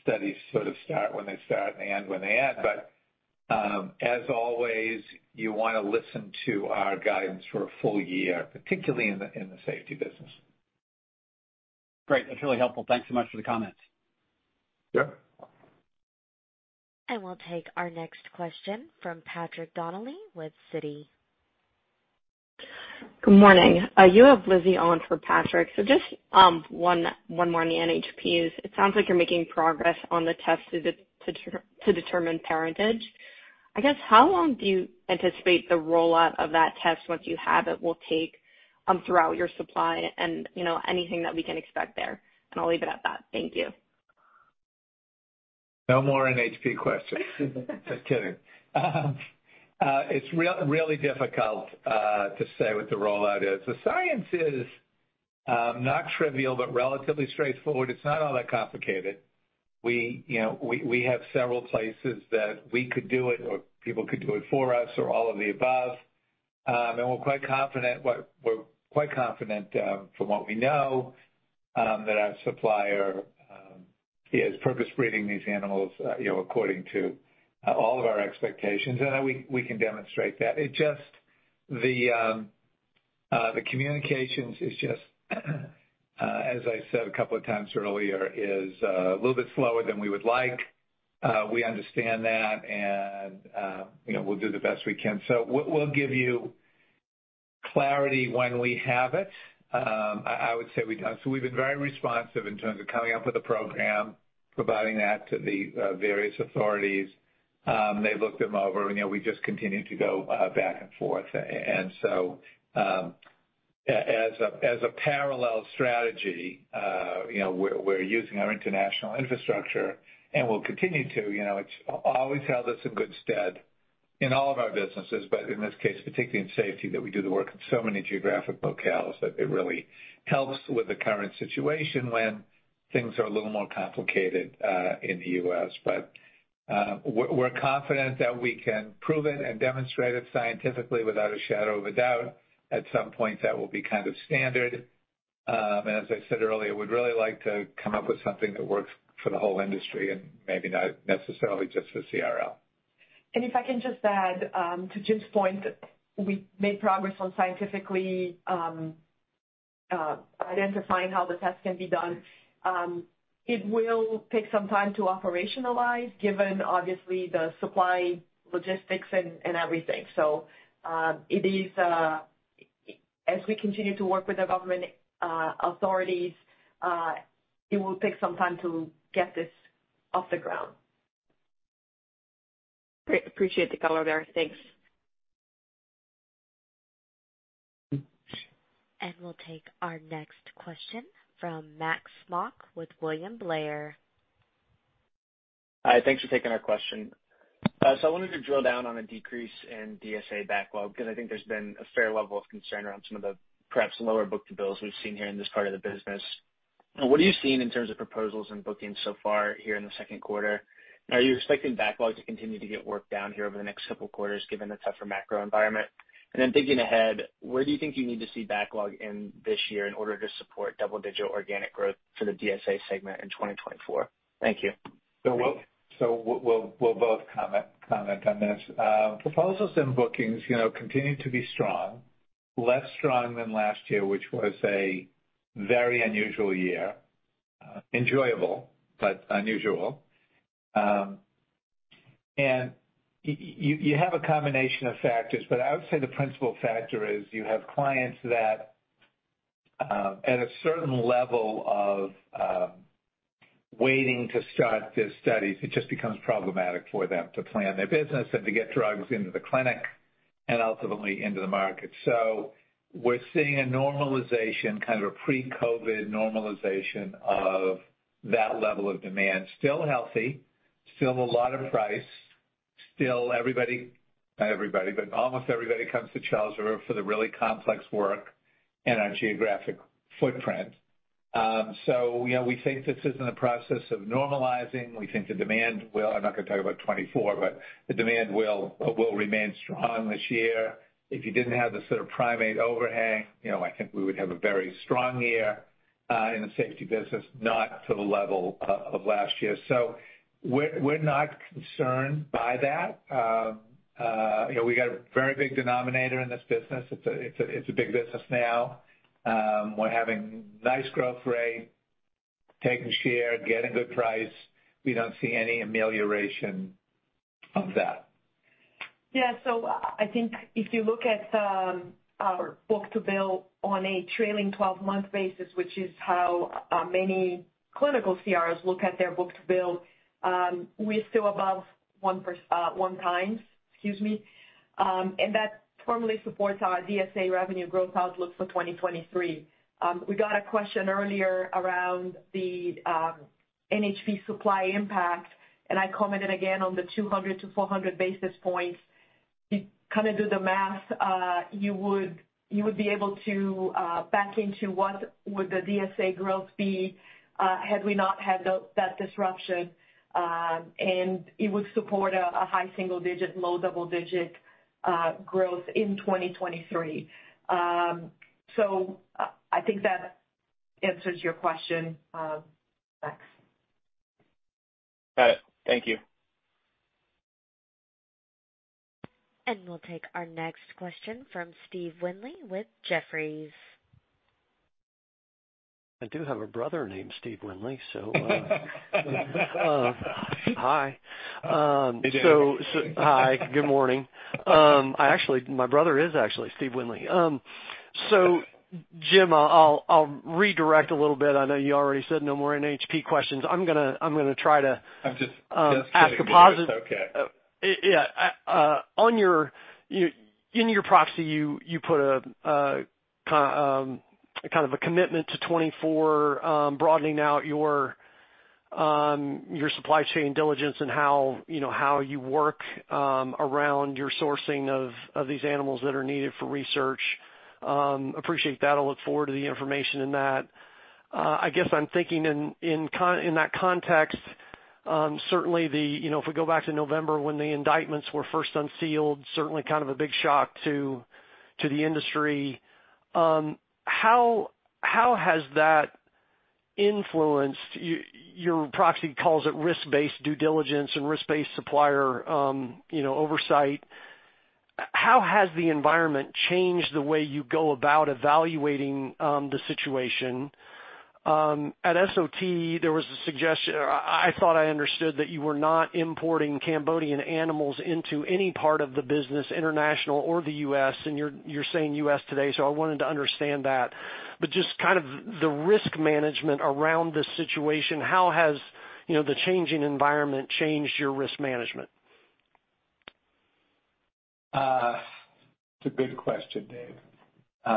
Studies sort of start when they start and end when they end. As always, you wanna listen to our guidance for a full year, particularly in the safety business. Great. That's really helpful. Thanks so much for the comments. Yeah. We'll take our next question from Patrick Donnelly with Citi. Good morning. You have Lizzie on for Patrick. Just one more on the NHPs. It sounds like you're making progress on the test to determine parentage. I guess, how long do you anticipate the rollout of that test once you have it will take throughout your supply? You know, anything that we can expect there. I'll leave it at that. Thank you. No more NHP questions. Just kidding. It's real-really difficult to say what the rollout is. The science is not trivial, but relatively straightforward. It's not all that complicated. We, you know, we have several places that we could do it or people could do it for us or all of the above. And we're quite confident from what we know that our supplier is purpose-breeding these animals, you know, according to all of our expectations, and that we can demonstrate that. The communications is just as I said a couple of times earlier, is a little bit slower than we would like. We understand that, and, you know, we'll do the best we can. We'll give you clarity when we have it. I would say we don't. We've been very responsive in terms of coming up with a program, providing that to the various authorities. They've looked them over and, you know, we just continue to go back and forth. As a parallel strategy, you know, we're using our international infrastructure and will continue to. You know, it's always held us in good stead in all of our businesses, but in this case, particularly in safety, that we do the work in so many geographic locales that it really helps with the current situation when things are a little more complicated in the U.S. We're confident that we can prove it and demonstrate it scientifically without a shadow of a doubt. At some point, that will be kind of standard. As I said earlier, would really like to come up with something that works for the whole industry and maybe not necessarily just for CRL. If I can just add, to Jim's point, we made progress on scientifically, identifying how the test can be done. It will take some time to operationalize given obviously the supply logistics and everything. It is, as we continue to work with the government, authorities, it will take some time to get this off the ground. Great. Appreciate the color there. Thanks. We'll take our next question from Max Smock with William Blair. Hi. Thanks for taking our question. I wanted to drill down on a decrease in DSA backlog, 'cause I think there's been a fair level of concern around some of the perhaps lower book-to-bills we've seen here in this part of the business. What are you seeing in terms of proposals and bookings so far here in the second quarter? Are you expecting backlog to continue to get worked down here over the next couple quarters given the tougher macro environment? Thinking ahead, where do you think you need to see backlog in this year in order to support double-digit organic growth for the DSA segment in 2024? Thank you. We'll both comment on this. Proposals and bookings, you know, continue to be strong. Less strong than last year, which was a very unusual year. Enjoyable but unusual. You have a combination of factors, but I would say the principal factor is you have clients that at a certain level of waiting to start their studies, it just becomes problematic for them to plan their business and to get drugs into the clinic and ultimately into the market. We're seeing a normalization, kind of a pre-COVID normalization of that level of demand. Still healthy, still a lot of price, still not everybody, but almost everybody comes to Charles River for the really complex work and our geographic footprint. You know, we think this is in the process of normalizing. We think the demand will-- I'm not gonna talk about 2024, but the demand will remain strong this year. If you didn't have the sort of primate overhang, you know, I think we would have a very strong year in the safety business, not to the level of last year. We're not concerned by that. You know, we got a very big denominator in this business. It's a big business now. We're having nice growth rate, taking share, getting good price. We don't see any amelioration of that. I think if you look at our book-to-bill on a trailing 12-month basis, which is how many clinical CRs look at their book-to-bill, we're still above 1x, excuse me. That firmly supports our DSA revenue growth outlook for 2023. We got a question earlier around the NHP supply impact, I commented again on the 200-400 basis points. You kind of do the math, you would be able to back into what would the DSA growth be had we not had that disruption. It would support a high single digit, low double digit growth in 2023. I think that answers your question, Max. Got it. Thank you. We'll take our next question from Dave Windley with Jefferies. I do have a brother named Dave Windley, so, hi. Hey, Dave. Hi. Good morning. I actually my brother is actually Dave Windley. Jim, I'll redirect a little bit. I know you already said no more NHP questions. I'm gonna try to ask a positive-- It's okay. Yeah. In your proxy, you put a kind of a commitment to 2024, broadening out your supply chain diligence and how, you know, you work around your sourcing of these animals that are needed for research. Appreciate that. I'll look forward to the information in that. I guess I'm thinking in that context, certainly the, you know, if we go back to November when the indictments were first unsealed, certainly kind of a big shock to the industry. How has that influenced-- Your proxy calls it risk-based due diligence and risk-based supplier, you know, oversight. How has the environment changed the way you go about evaluating the situation? At SOT, there was a suggestion-- I thought I understood that you were not importing Cambodian animals into any part of the business, international or the U.S., and you're saying U.S. today, so I wanted to understand that. Just kind of the risk management around this situation, how has, you know, the changing environment changed your risk management? It's a good question, Dave.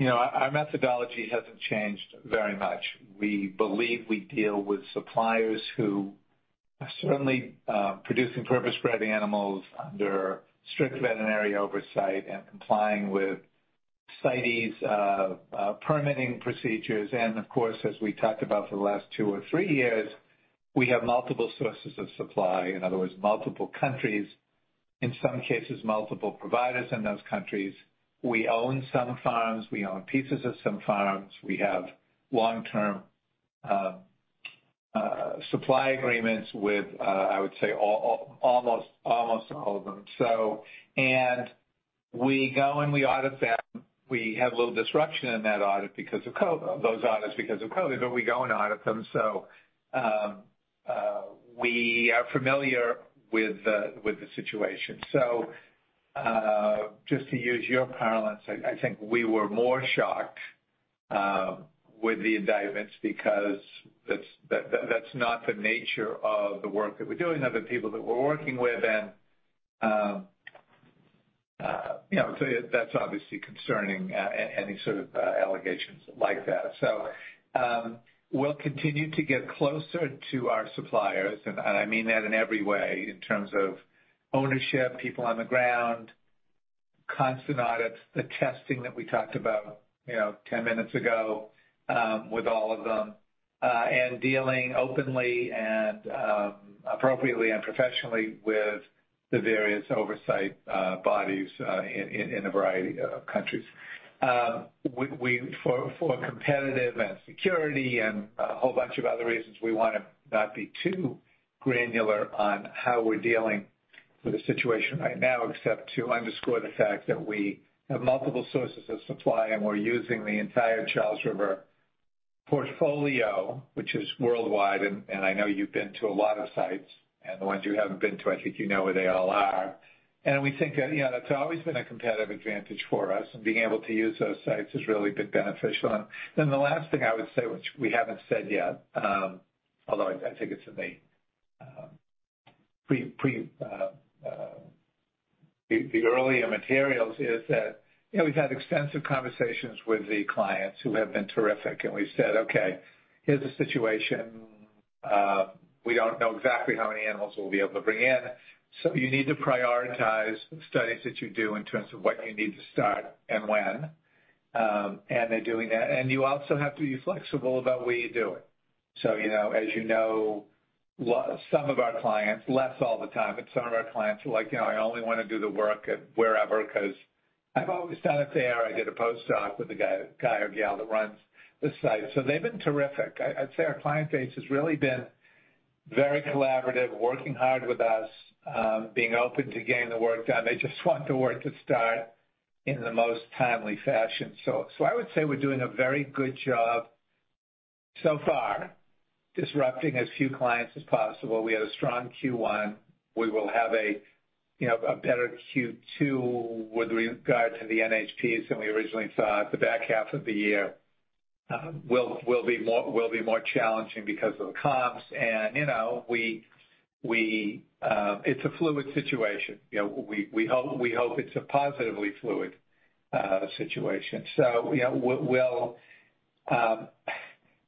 You know, our methodology hasn't changed very much. We believe we deal with suppliers who are certainly producing purpose-bred animals under strict veterinary oversight and complying with CITES permitting procedures. Of course, as we talked about for the last two or three years, we have multiple sources of supply, in other words, multiple countries, in some cases, multiple providers in those countries. We own some farms. We own pieces of some farms. We have long-term supply agreements with, I would say, almost all of them. We go, and we audit them. We had a little disruption in that audit because of COVID, those audits because of COVID, but we go and audit them. We are familiar with the situation. Just to use your parlance, I think we were more shocked with the indictments because that's not the nature of the work that we're doing, of the people that we're working with. You know, that's obviously concerning, any sort of allegations like that. We'll continue to get closer to our suppliers, and I mean that in every way, in terms of ownership, people on the ground, constant audits, the testing that we talked about, you know, 10 minutes ago, with all of them, and dealing openly and appropriately and professionally with the various oversight bodies in a variety of countries. For competitive and security and a whole bunch of other reasons, we wanna not be too granular on how we're For the situation right now, except to underscore the fact that we have multiple sources of supply, and we're using the entire Charles River portfolio, which is worldwide. I know you've been to a lot of sites, and the ones you haven't been to, I think you know where they all are. We think that, yeah, that's always been a competitive advantage for us, and being able to use those sites has really been beneficial. The last thing I would say, which we haven't said yet, although I think it's in the earlier materials, is that, you know, we've had extensive conversations with the clients who have been terrific, and we've said, "Okay, here's the situation. We don't know exactly how many animals we'll be able to bring in, so you need to prioritize studies that you do in terms of what you need to start and when." They're doing that. You also have to be flexible about where you do it. You know, as you know, some of our clients, less all the time, but some of our clients are like, "You know, I only wanna do the work at wherever, 'cause I've always done it there. I did a postdoc with the guy or gal that runs this site. They've been terrific. I'd say our client base has really been very collaborative, working hard with us, being open to getting the work done. They just want the work to start in the most timely fashion. I would say we're doing a very good job so far disrupting as few clients as possible. We had a strong Q1. We will have a, you know, a better Q2 with regard to the NHPs than we originally thought. The back half of the year will be more challenging because of the comps. You know, we, it's a fluid situation. You know, we hope it's a positively fluid situation. You know, we'll,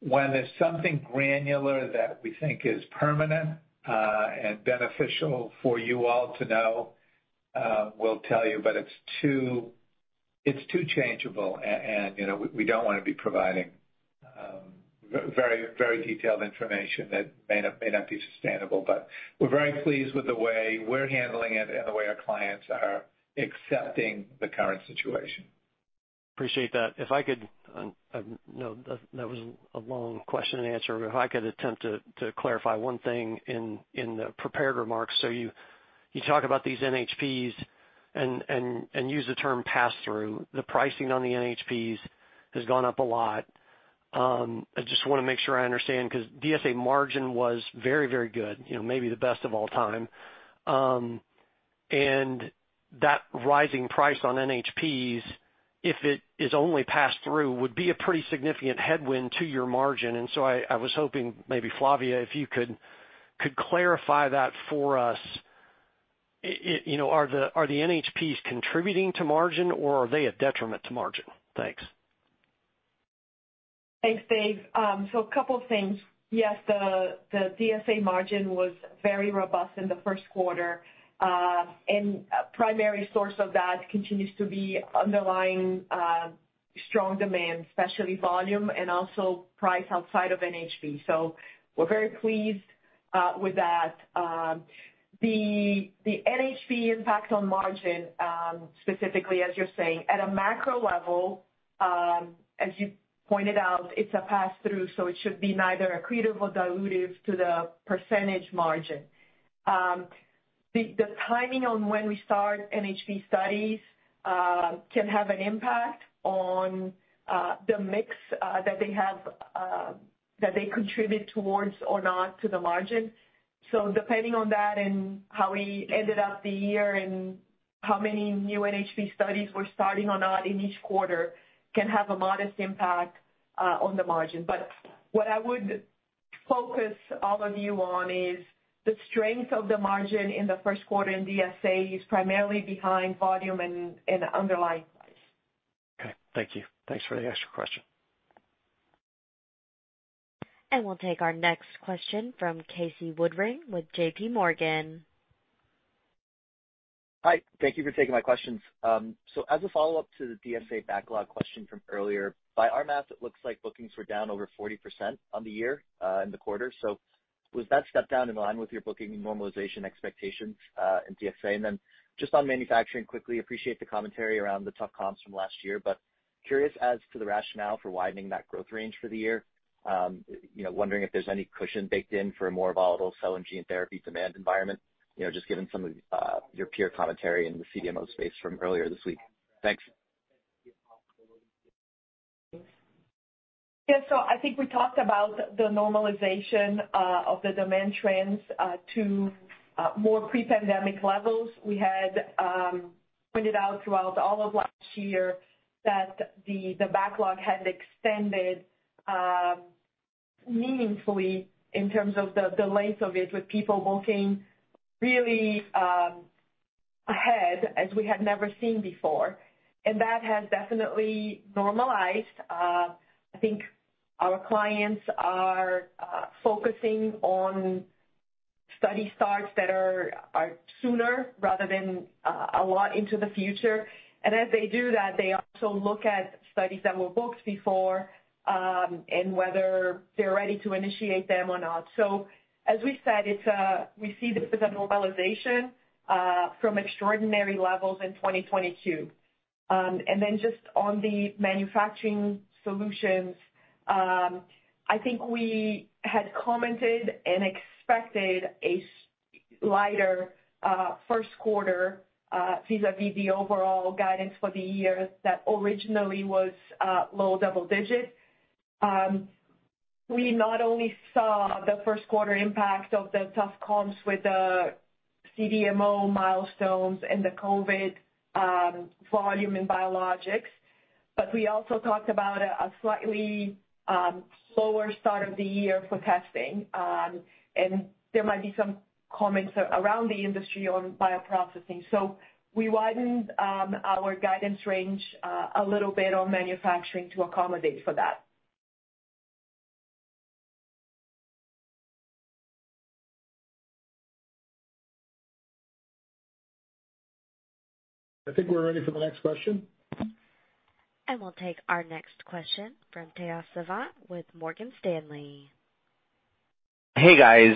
when there's something granular that we think is permanent and beneficial for you all to know, we'll tell you, but it's too changeable and, you know, we don't wanna be providing very, very detailed information that may not be sustainable. We're very pleased with the way we're handling it and the way our clients are accepting the current situation. Appreciate that. If I could, you know, that was a long question and answer. If I could attempt to clarify one thing in the prepared remarks. You talk about these NHPs and use the term pass-through. The pricing on the NHPs has gone up a lot. I just wanna make sure I understand, 'cause DSA margin was very good, you know, maybe the best of all time. That rising price on NHPs, if it is only pass-through, would be a pretty significant headwind to your margin. I was hoping maybe, Flavia, if you could clarify that for us. You know, are the NHPs contributing to margin, or are they a detriment to margin? Thanks. Thanks, Dave. A couple things. Yes, the DSA margin was very robust in the first quarter, and primary source of that continues to be underlying strong demand, especially volume and also price outside of NHP. We're very pleased with that. The NHP impact on margin, specifically as you're saying, at a macro level, as you pointed out, it's a pass-through, so it should be neither accretive or dilutive to the percentage margin. The timing on when we start NHP studies can have an impact on the mix that they have that they contribute towards or not to the margin. Depending on that and how we ended up the year and how many new NHP studies we're starting or not in each quarter can have a modest impact on the margin. What I would focus all of you on is the strength of the margin in the first quarter in DSA is primarily behind volume and underlying price. Okay. Thank you. Thanks for the extra question. We'll take our next question from Casey Woodring with J.P. Morgan. Hi. Thank you for taking my questions. As a follow-up to the DSA backlog question from earlier, by our math, it looks like bookings were down over 40% on the year in the quarter. Was that step down in line with your booking normalization expectations in DSA? Just on manufacturing quickly, appreciate the commentary around the tough comps from last year, but curious as to the rationale for widening that growth range for the year. You know, wondering if there's any cushion baked in for a more volatile cell and gene therapy demand environment, you know, just given some of your peer commentary in the CDMO space from earlier this week. Thanks. Yeah. I think we talked about the normalization of the demand trends to more pre-pandemic levels. We had pointed out throughout all of last year that the backlog had extended meaningfully in terms of the length of it, with people booking really ahead as we had never seen before. That has definitely normalized. I think our clients are focusing on study starts that are sooner rather than a lot into the future. As they do that, they also look at studies that were booked before and whether they're ready to initiate them or not. As we said, it's, we see this as a normalization from extraordinary levels in 2022. And then just on the manufacturing solutions, I think we had commented and expected a lighter first quarter vis-à-vis the overall guidance for the year that originally was low double digits. We not only saw the first quarter impact of the tough comps with the CDMO milestones and the COVID volume in biologics, but we also talked about a slightly slower start of the year for testing. And there might be some comments around the industry on bioprocessing. We widened our guidance range a little bit on manufacturing to accommodate for that. I think we're ready for the next question. We'll take our next question from Tejas Savant with Morgan Stanley. Hey, guys,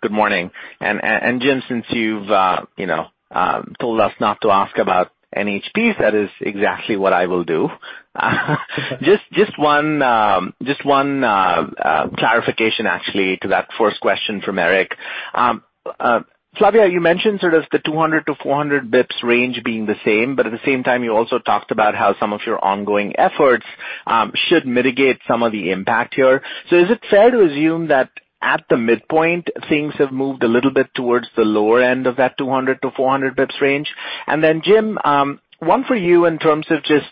good morning. Jim, since you've, you know, told us not to ask about NHPs, that is exactly what I will do. Just one clarification actually to that first question from Eric. Flavia, you mentioned sort of the 200 to 400 basis points range being the same, but at the same time, you also talked about how some of your ongoing efforts should mitigate some of the impact here. Is it fair to assume that at the midpoint, things have moved a little bit towards the lower end of that 200 to 400 bps range? Jim, one for you in terms of just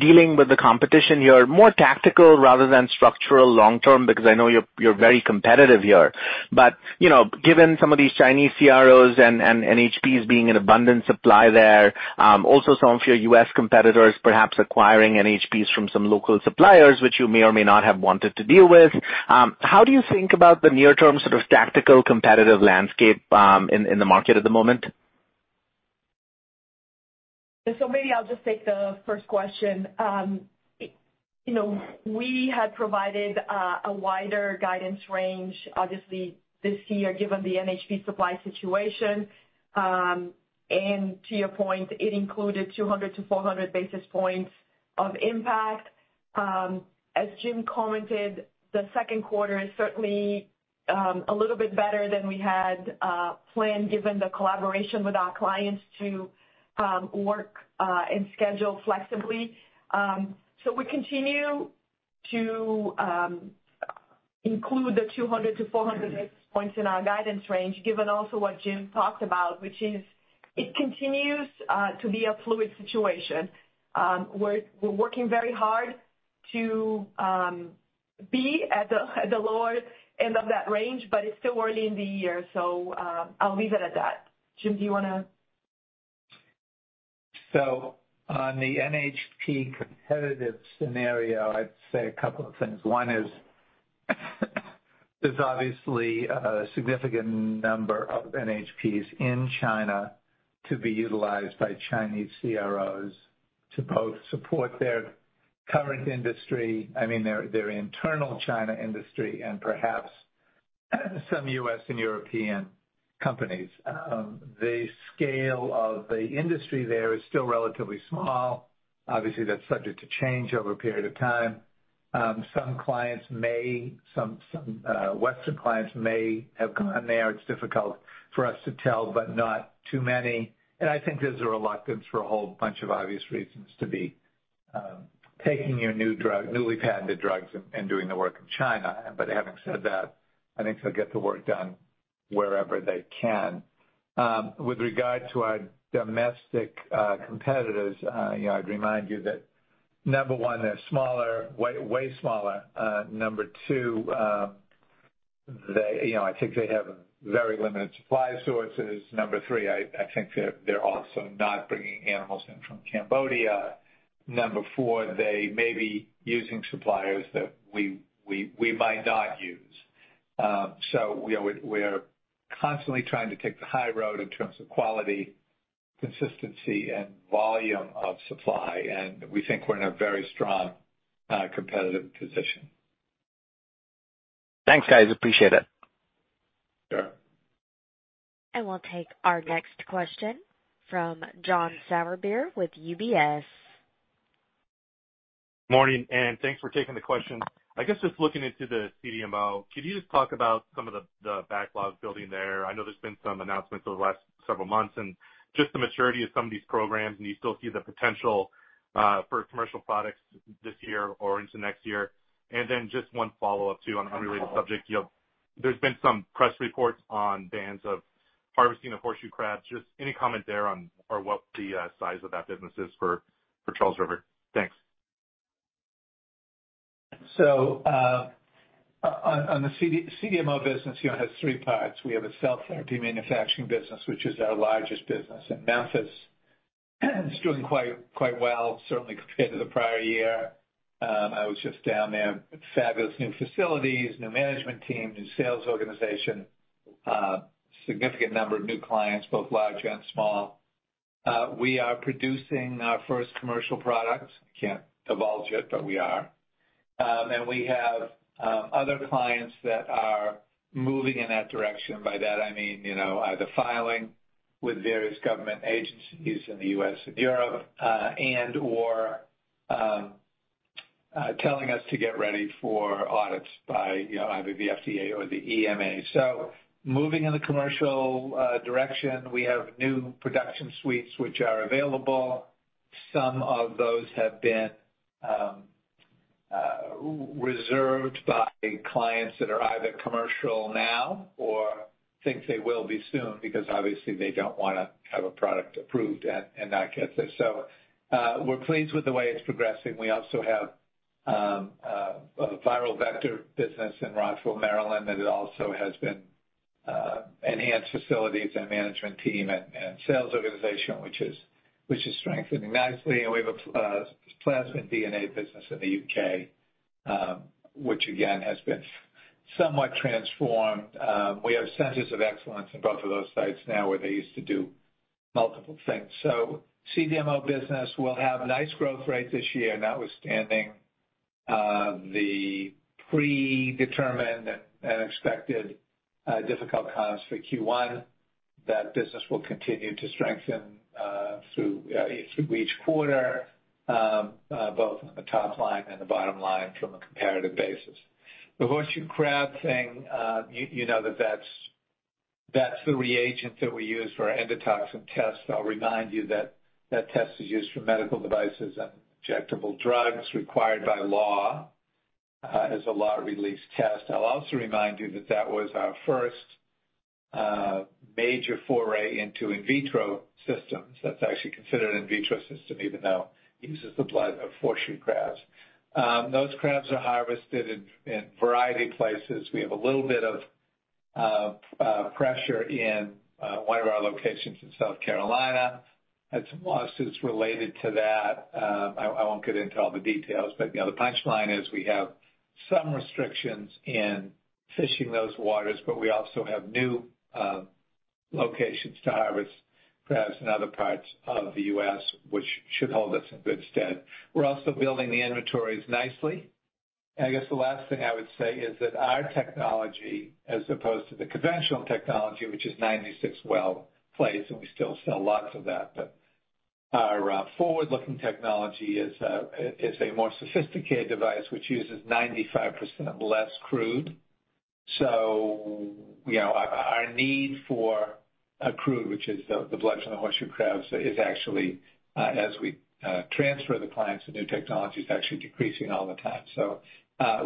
dealing with the competition here, more tactical rather than structural long term, because I know you're very competitive here. You know, given some of these Chinese CROs and NHPs being an abundant supply there, also some of your U.S. competitors perhaps acquiring NHPs from some local suppliers, which you may or may not have wanted to deal with, how do you think about the near-term sort of tactical competitive landscape, in the market at the moment? Maybe I'll just take the first question. you know, we had provided a wider guidance range, obviously this year, given the NHP supply situation. To your point, it included 200-400 basis points of impact. As Jim commented, the second quarter is certainly a little bit better than we had planned, given the collaboration with our clients to work and schedule flexibly. We continue to include the 200-400 basis points in our guidance range, given also what Jim talked about, which is it continues to be a fluid situation. We're working very hard to be at the lower end of that range, but it's still early in the year, I'll leave it at that. Jim, do you wanna? On the NHP competitive scenario, I'd say a couple of things. One is, there's obviously a significant number of NHPs in China to be utilized by Chinese CROs to both support their current industry, I mean, their internal China industry and perhaps some U.S. and European companies. The scale of the industry there is still relatively small. Obviously, that's subject to change over a period of time. Some Western clients may have gone there. It's difficult for us to tell, but not too many. I think there's a reluctance for a whole bunch of obvious reasons to be taking your new drug, newly patented drugs and doing the work in China. Having said that, I think they'll get the work done wherever they can. With regard to our domestic competitors, you know, I'd remind you that number one, they're smaller, way smaller. Number two, they, you know, I think they have very limited supply sources. Number three, I think they're also not bringing animals in from Cambodia. Number four, they may be using suppliers that we might not use. We are constantly trying to take the high road in terms of quality, consistency and volume of supply, and we think we're in a very strong competitive position. Thanks, guys. Appreciate it. Sure. We'll take our next question from John Sourbeer with UBS. Morning. Thanks for taking the question. I guess just looking into the CDMO, could you just talk about some of the backlog building there? I know there's been some announcements over the last several months, and just the maturity of some of these programs, and you still see the potential for commercial products this year or into next year. Then just one follow-up, too, on unrelated subject. You know, there's been some press reports on bans of harvesting of horseshoe crabs. Just any comment there on or what the size of that business is for Charles River? Thanks. On the CDMO business, you know, has three parts. We have a cell therapy manufacturing business, which is our largest business in Memphis. It's doing quite well, certainly compared to the prior year. I was just down there. Fabulous new facilities, new management team, new sales organization, significant number of new clients, both large and small. We are producing our first commercial products. Can't divulge it, but we are. And we have other clients that are moving in that direction. By that, I mean, you know, either filing with various government agencies in the U.S. and Europe, and/or telling us to get ready for audits by either the FDA or the EMA. Moving in the commercial direction, we have new production suites which are available. Some of those have been reserved by clients that are either commercial now or think they will be soon, because obviously they don't wanna have a product approved and not get this. We're pleased with the way it's progressing. We also have a viral vector business in Rockville, Maryland, that it also has been enhanced facilities and management team and sales organization, which is strengthening nicely. We have a plasmid DNA business in the U.K., which again, has been somewhat transformed. We have centers of excellence in both of those sites now where they used to do multiple things. CDMO business will have nice growth rate this year, notwithstanding the predetermined and expected difficult comps for Q1. That business will continue to strengthen through each quarter, both on the top line and the bottom line from a comparative basis. The horseshoe crab thing, you know that's the reagent that we use for our endotoxin test. I'll remind you that that test is used for medical devices and injectable drugs required by law as a lot release test. I'll also remind you that that was our first major foray into in vitro systems. That's actually considered an in vitro system, even though it uses the blood of horseshoe crabs. Those crabs are harvested in a variety of places. We have a little bit of pressure in one of our locations in South Carolina. Had some lawsuits related to that. I won't get into all the details, you know, the punchline is we have some restrictions in fishing those waters. We also have new locations to harvest crabs in other parts of the U.S., which should hold us in good stead. We're also building the inventories nicely. I guess the last thing I would say is that our technology, as opposed to the conventional technology, which is 96 well plates, and we still sell lots of that, our forward-looking technology is a more sophisticated device which uses 95% less crude. You know, our need for a crude, which is the blood from the horseshoe crabs, is actually, as we transfer the clients to new technology, is actually decreasing all the time.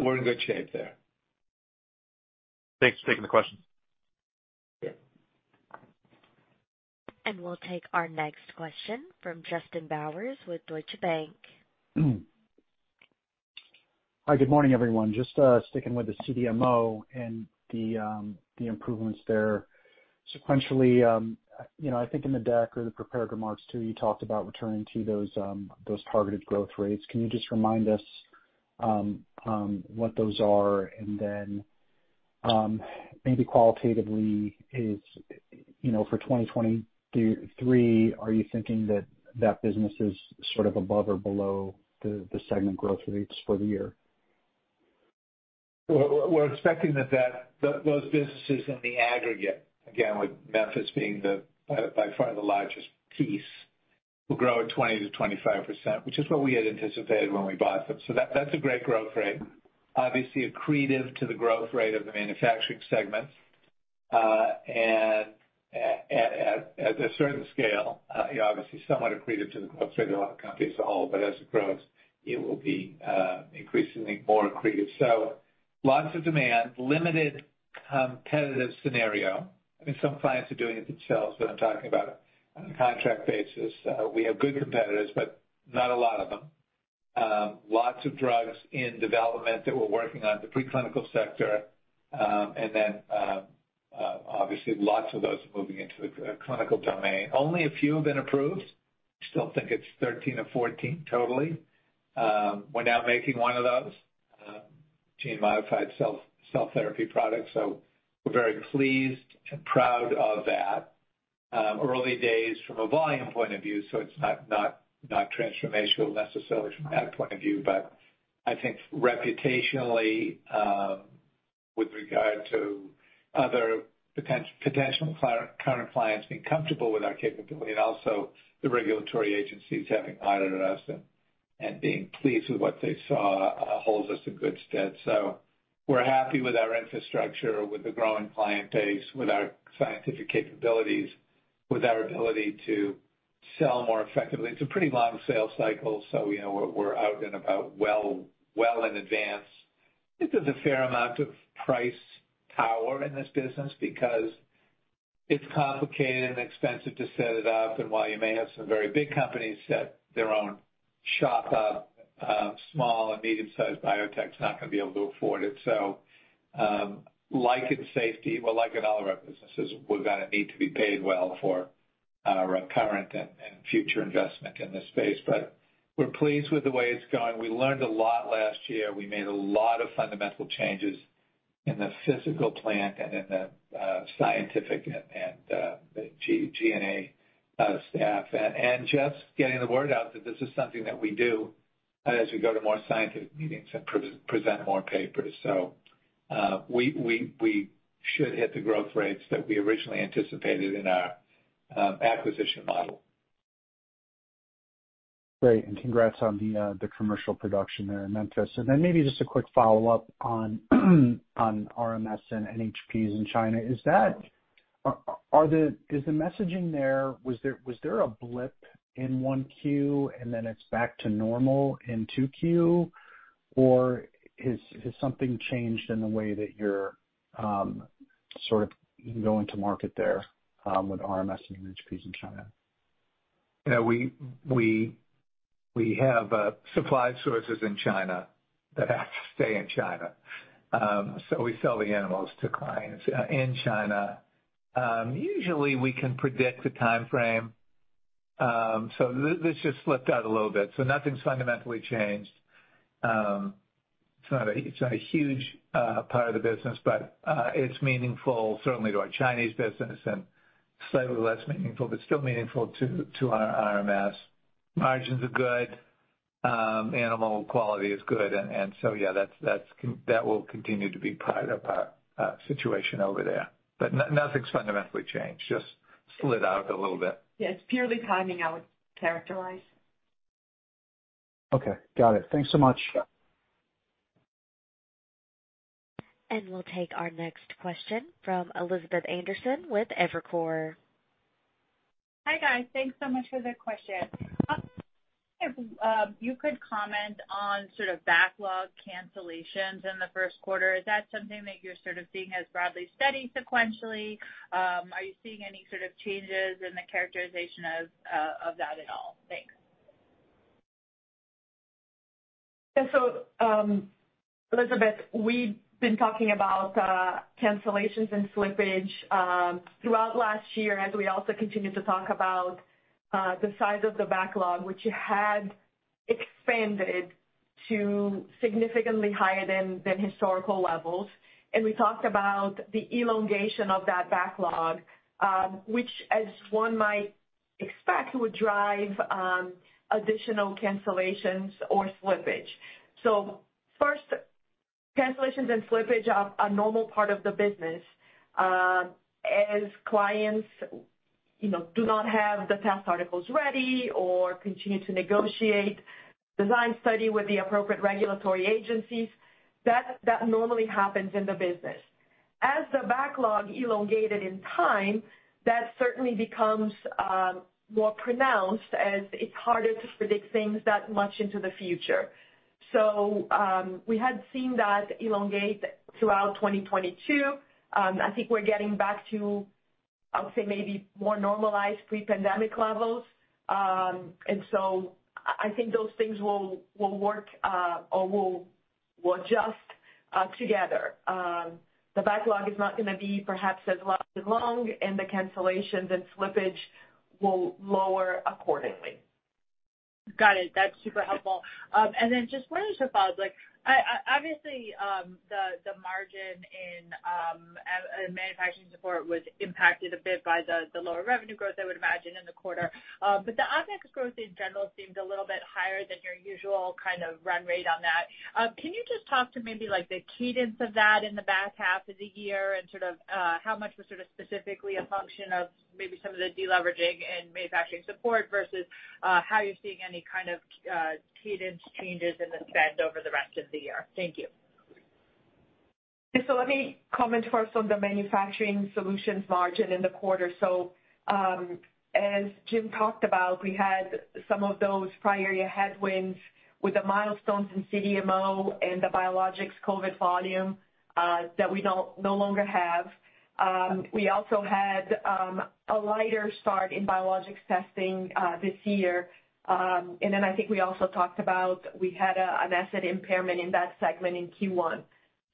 We're in good shape there. Thanks for taking the question. We'll take our next question from Justin Bowers with Deutsche Bank. Hi, good morning, everyone. Just sticking with the CDMO and the improvements there sequentially, you know, I think in the deck or the prepared remarks too, you talked about returning to those targeted growth rates. Can you just remind us what those are? Then maybe qualitatively is, you know, for 2023, are you thinking that that business is sort of above or below the segment growth rates for the year? We're expecting those businesses in the aggregate, again, with Memphis being the by far the largest piece, will grow at 20%-25%, which is what we had anticipated when we bought them. That's a great growth rate. Obviously accretive to the growth rate of the manufacturing segment. And at a certain scale, you know, obviously somewhat accretive to the core company as a whole, but as it grows, it will be increasingly more accretive. Lots of demand, limited competitive scenario. I mean, some clients are doing it themselves, but I'm talking about on a contract basis. We have good competitors, but not a lot of them. Lots of drugs in development that we're working on in the preclinical sector. And then obviously lots of those moving into the clinical domain. Only a few have been approved. I still think it's 13% or 14% totally. We're now making one of those gene-modified cell therapy products, so we're very pleased and proud of that. Early days from a volume point of view, so it's not transformational necessarily from that point of view. I think reputationally, with regard to other potential client, current clients being comfortable with our capability and also the regulatory agencies having audited us and being pleased with what they saw, holds us in good stead. We're happy with our infrastructure, with the growing client base, with our scientific capabilities, with our ability to sell more effectively. It's a pretty long sales cycle, so you know, we're out and about well in advance. I think there's a fair amount of price power in this business because it's complicated and expensive to set it up. While you may have some very big companies set their own shop up, small and medium-sized biotech is not gonna be able to afford it. Like in safety, well, like in all of our businesses, we're gonna need to be paid well for our current and future investment in this space. We're pleased with the way it's going. We learned a lot last year. We made a lot of fundamental changes in the physical plant and in the scientific and the G&A staff. And just getting the word out that this is something that we do as we go to more scientific meetings and present more papers. We should hit the growth rates that we originally anticipated in our acquisition model. Great. Congrats on the commercial production there in Memphis. Maybe just a quick follow-up on RMS and NHPs in China. Is the messaging there, was there a blip in 1Q and then it's back to normal in 2Q or has something changed in the way that you're sort of going to market there with RMS and NHPs in China? You know, we have supply sources in China that have to stay in China. We sell the animals to clients in China. Usually, we can predict the timeframe, so this just slipped out a little bit, so nothing's fundamentally changed. It's not a huge part of the business, but it's meaningful certainly to our Chinese business and slightly less meaningful, but still meaningful to our RMS. Margins are good. Animal quality is good. Yeah, that will continue to be part of our situation over there. Nothing's fundamentally changed, just slid out a little bit. Yeah, it's purely timing, I would characterize. Okay. Got it. Thanks so much. Sure. We'll take our next question from Elizabeth Anderson with Evercore. Hi, guys. Thanks so much for the question. If you could comment on sort of backlog cancellations in the first quarter, is that something that you're sort of seeing as broadly steady sequentially? Are you seeing any sort of changes in the characterization of that at all? Thanks. Elizabeth, we've been talking about cancellations and slippage throughout last year as we also continued to talk about the size of the backlog, which had expanded to significantly higher than historical levels. We talked about the elongation of that backlog, which as one might expect, would drive additional cancellations or slippage. First, cancellations and slippage are a normal part of the business, as clients, you know, do not have the test articles ready or continue to negotiate design study with the appropriate regulatory agencies. That normally happens in the business. As the backlog elongated in time, that certainly becomes more pronounced as it's harder to predict things that much into the future. We had seen that elongate throughout 2022. I think we're getting back to, I would say, maybe more normalized pre-pandemic levels. I think those things will work, or will adjust, together. The backlog is not gonna be perhaps as long, and the cancellations and slippage will lower accordingly. Got it. That's super helpful. Just one other follow-up. Like, I obviously, the margin in manufacturing support was impacted a bit by the lower revenue growth, I would imagine, in the quarter. The OpEx growth in general seemed a little bit higher than your usual kind of run rate on that. Can you just talk to maybe like the cadence of that in the back half of the year and sort of, how much was sorta specifically a function of maybe some of the deleveraging in manufacturing support versus, how you're seeing any kind of, cadence changes in the spend over the rest of the year? Thank you. Let me comment first on the Manufacturing Solutions margin in the quarter. As Jim talked about, we had some of those prior year headwinds with the milestones in CDMO and the biologics COVID volume that we no longer have. We also had a lighter start in Biologics Testing this year. I think we also talked about we had an asset impairment in that segment in Q1.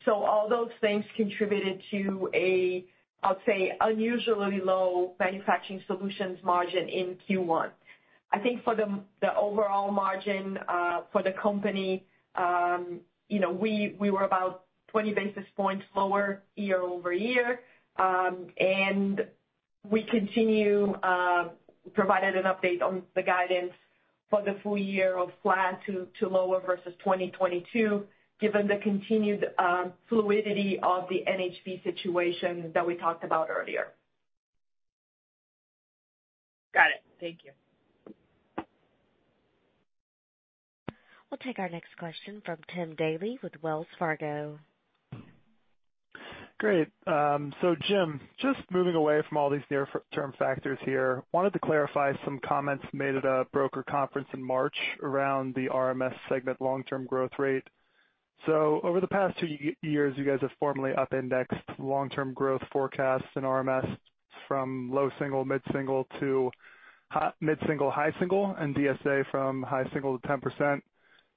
All those things contributed to a, I'll say, unusually low Manufacturing Solutions margin in Q1. I think for the overall margin for the company, you know, we were about 20 basis points lower year-over-year. We continue provided an update on the guidance for the full year of flat to lower versus 2022, given the continued fluidity of the NHP situation that we talked about earlier. Got it. Thank you. We'll take our next question from Tim Daley with Wells Fargo. Great. Jim, just moving away from all these near term factors here, wanted to clarify some comments made at a broker conference in March around the RMS segment long-term growth rate. Over the past two years, you guys have formally up-indexed long-term growth forecasts in RMS from low single, mid-single to mid-single, high single, and DSA from high single to 10%.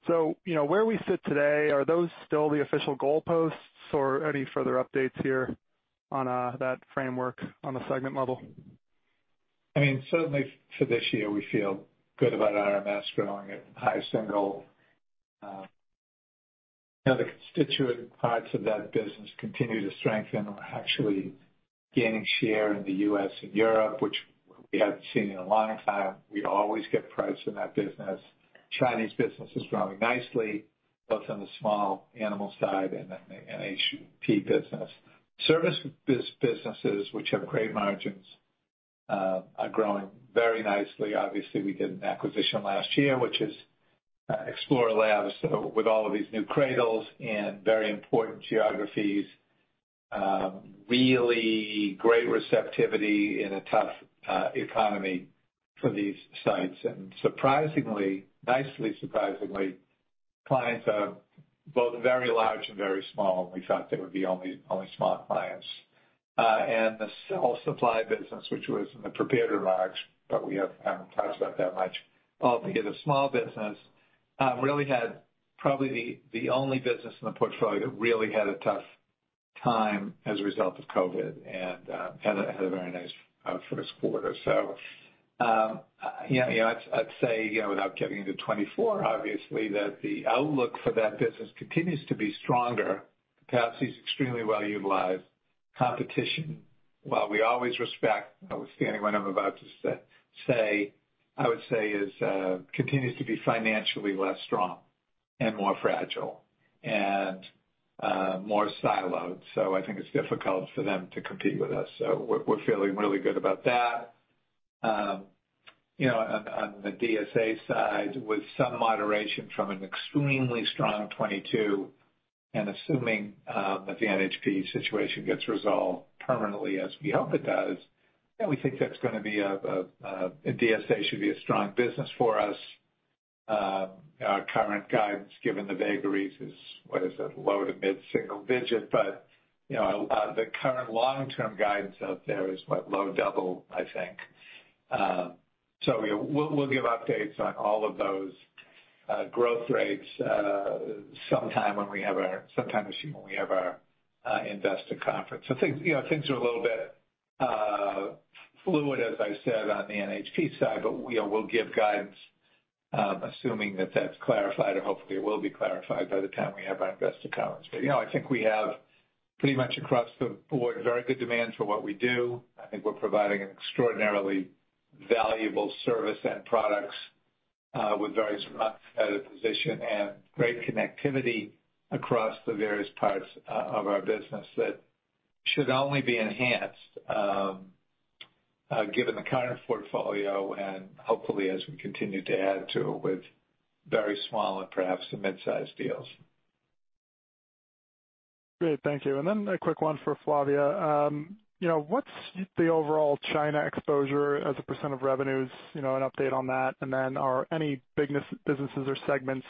You know, where we sit today, are those still the official goalposts or any further updates here on that framework on a segment level? Certainly, for this year, we feel good about RMS growing at high single. You know, the constituent parts of that business continue to strengthen. We're actually gaining share in the U.S. and Europe, which we haven't seen in a long time. We always get price in that business. Chinese business is growing nicely, both on the small animal side and then NHP business. Service businesses which have great margins are growing very nicely. Obviously, we did an acquisition last year, which is Explora BioLabs with all of these new cradles and very important geographies. Really great receptivity in a tough economy for these sites. Surprisingly, clients are both very large and very small, and we thought they would be only small clients. And the cell supply business, which was in the prepared remarks, but we haven't talked about that much. Altogether, small business really had probably the only business in the portfolio that really had a tough time as a result of COVID and had a very nice first quarter. You know, I'd say, you know, without getting into 2024, obviously, that the outlook for that business continues to be stronger. Capacity is extremely well utilized. Competition, while we always respect notwithstanding what I'm about to say, I would say is, continues to be financially less strong and more fragile and more siloed. I think it's difficult for them to compete with us. We're feeling really good about that. You know, on the DSA side, with some moderation from an extremely strong 2022, and assuming the NHP situation gets resolved permanently as we hope it does, yeah, we think that's gonna be a DSA should be a strong business for us. Our current guidance, given the vagaries, is, what is it? Low to mid-single digit. You know, the current long-term guidance out there is what? Low double, I think. We'll, we'll give updates on all of those growth rates sometime this year when we have our investor conference. Things, you know, things are a little bit fluid, as I said, on the NHP side, but we'll give guidance assuming that that's clarified, or hopefully it will be clarified by the time we have our investor conference. You know, I think we have pretty much across the board, very good demand for what we do. I think we're providing an extraordinarily valuable service and products, with very strong competitive position and great connectivity across the various parts of our business that should only be enhanced, given the current portfolio and hopefully as we continue to add to with very small and perhaps some mid-sized deals. Great. Thank you. A quick one for Flavia. You know, what's the overall China exposure as a percent of revenues, you know, an update on that? Are any business, businesses or segments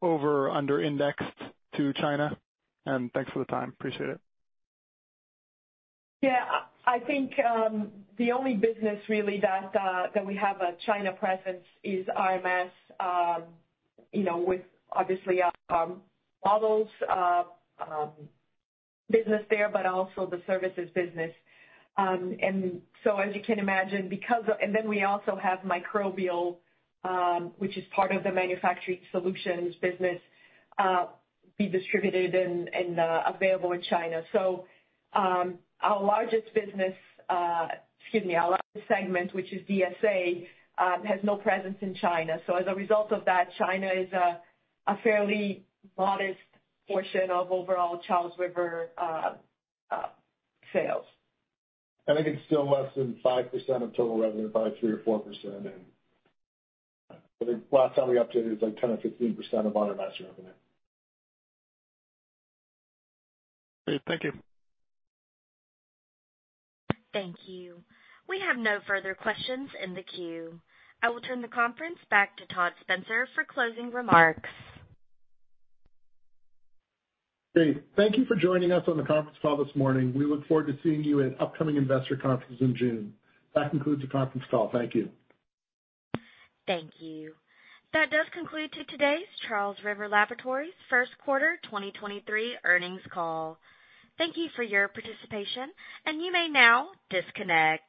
over or under indexed to China? Thanks for the time. Appreciate it. Yeah. I think, the only business really that we have a China presence is RMS, you know, with obviously our models business there, but also the services business. As you can imagine, we also have microbial, which is part of the manufacturing solutions business, be distributed and available in China. Our largest business, excuse me, our largest segment, which is DSA, has no presence in China. As a result of that, China is a fairly modest portion of overall Charles River sales. I think it's still less than 5% of total revenue, probably 3% or 4%. The last time we updated, it was like 10% or 15% of RMS revenue. Great. Thank you. Thank you. We have no further questions in the queue. I will turn the conference back to Todd Spencer for closing remarks. Great. Thank you for joining us on the conference call this morning. We look forward to seeing you at upcoming investor conference in June. That concludes the conference call. Thank you. Thank you. That does conclude to today's Charles River Laboratories 1st quarter 2023 earnings call. Thank you for your participation, you may now disconnect.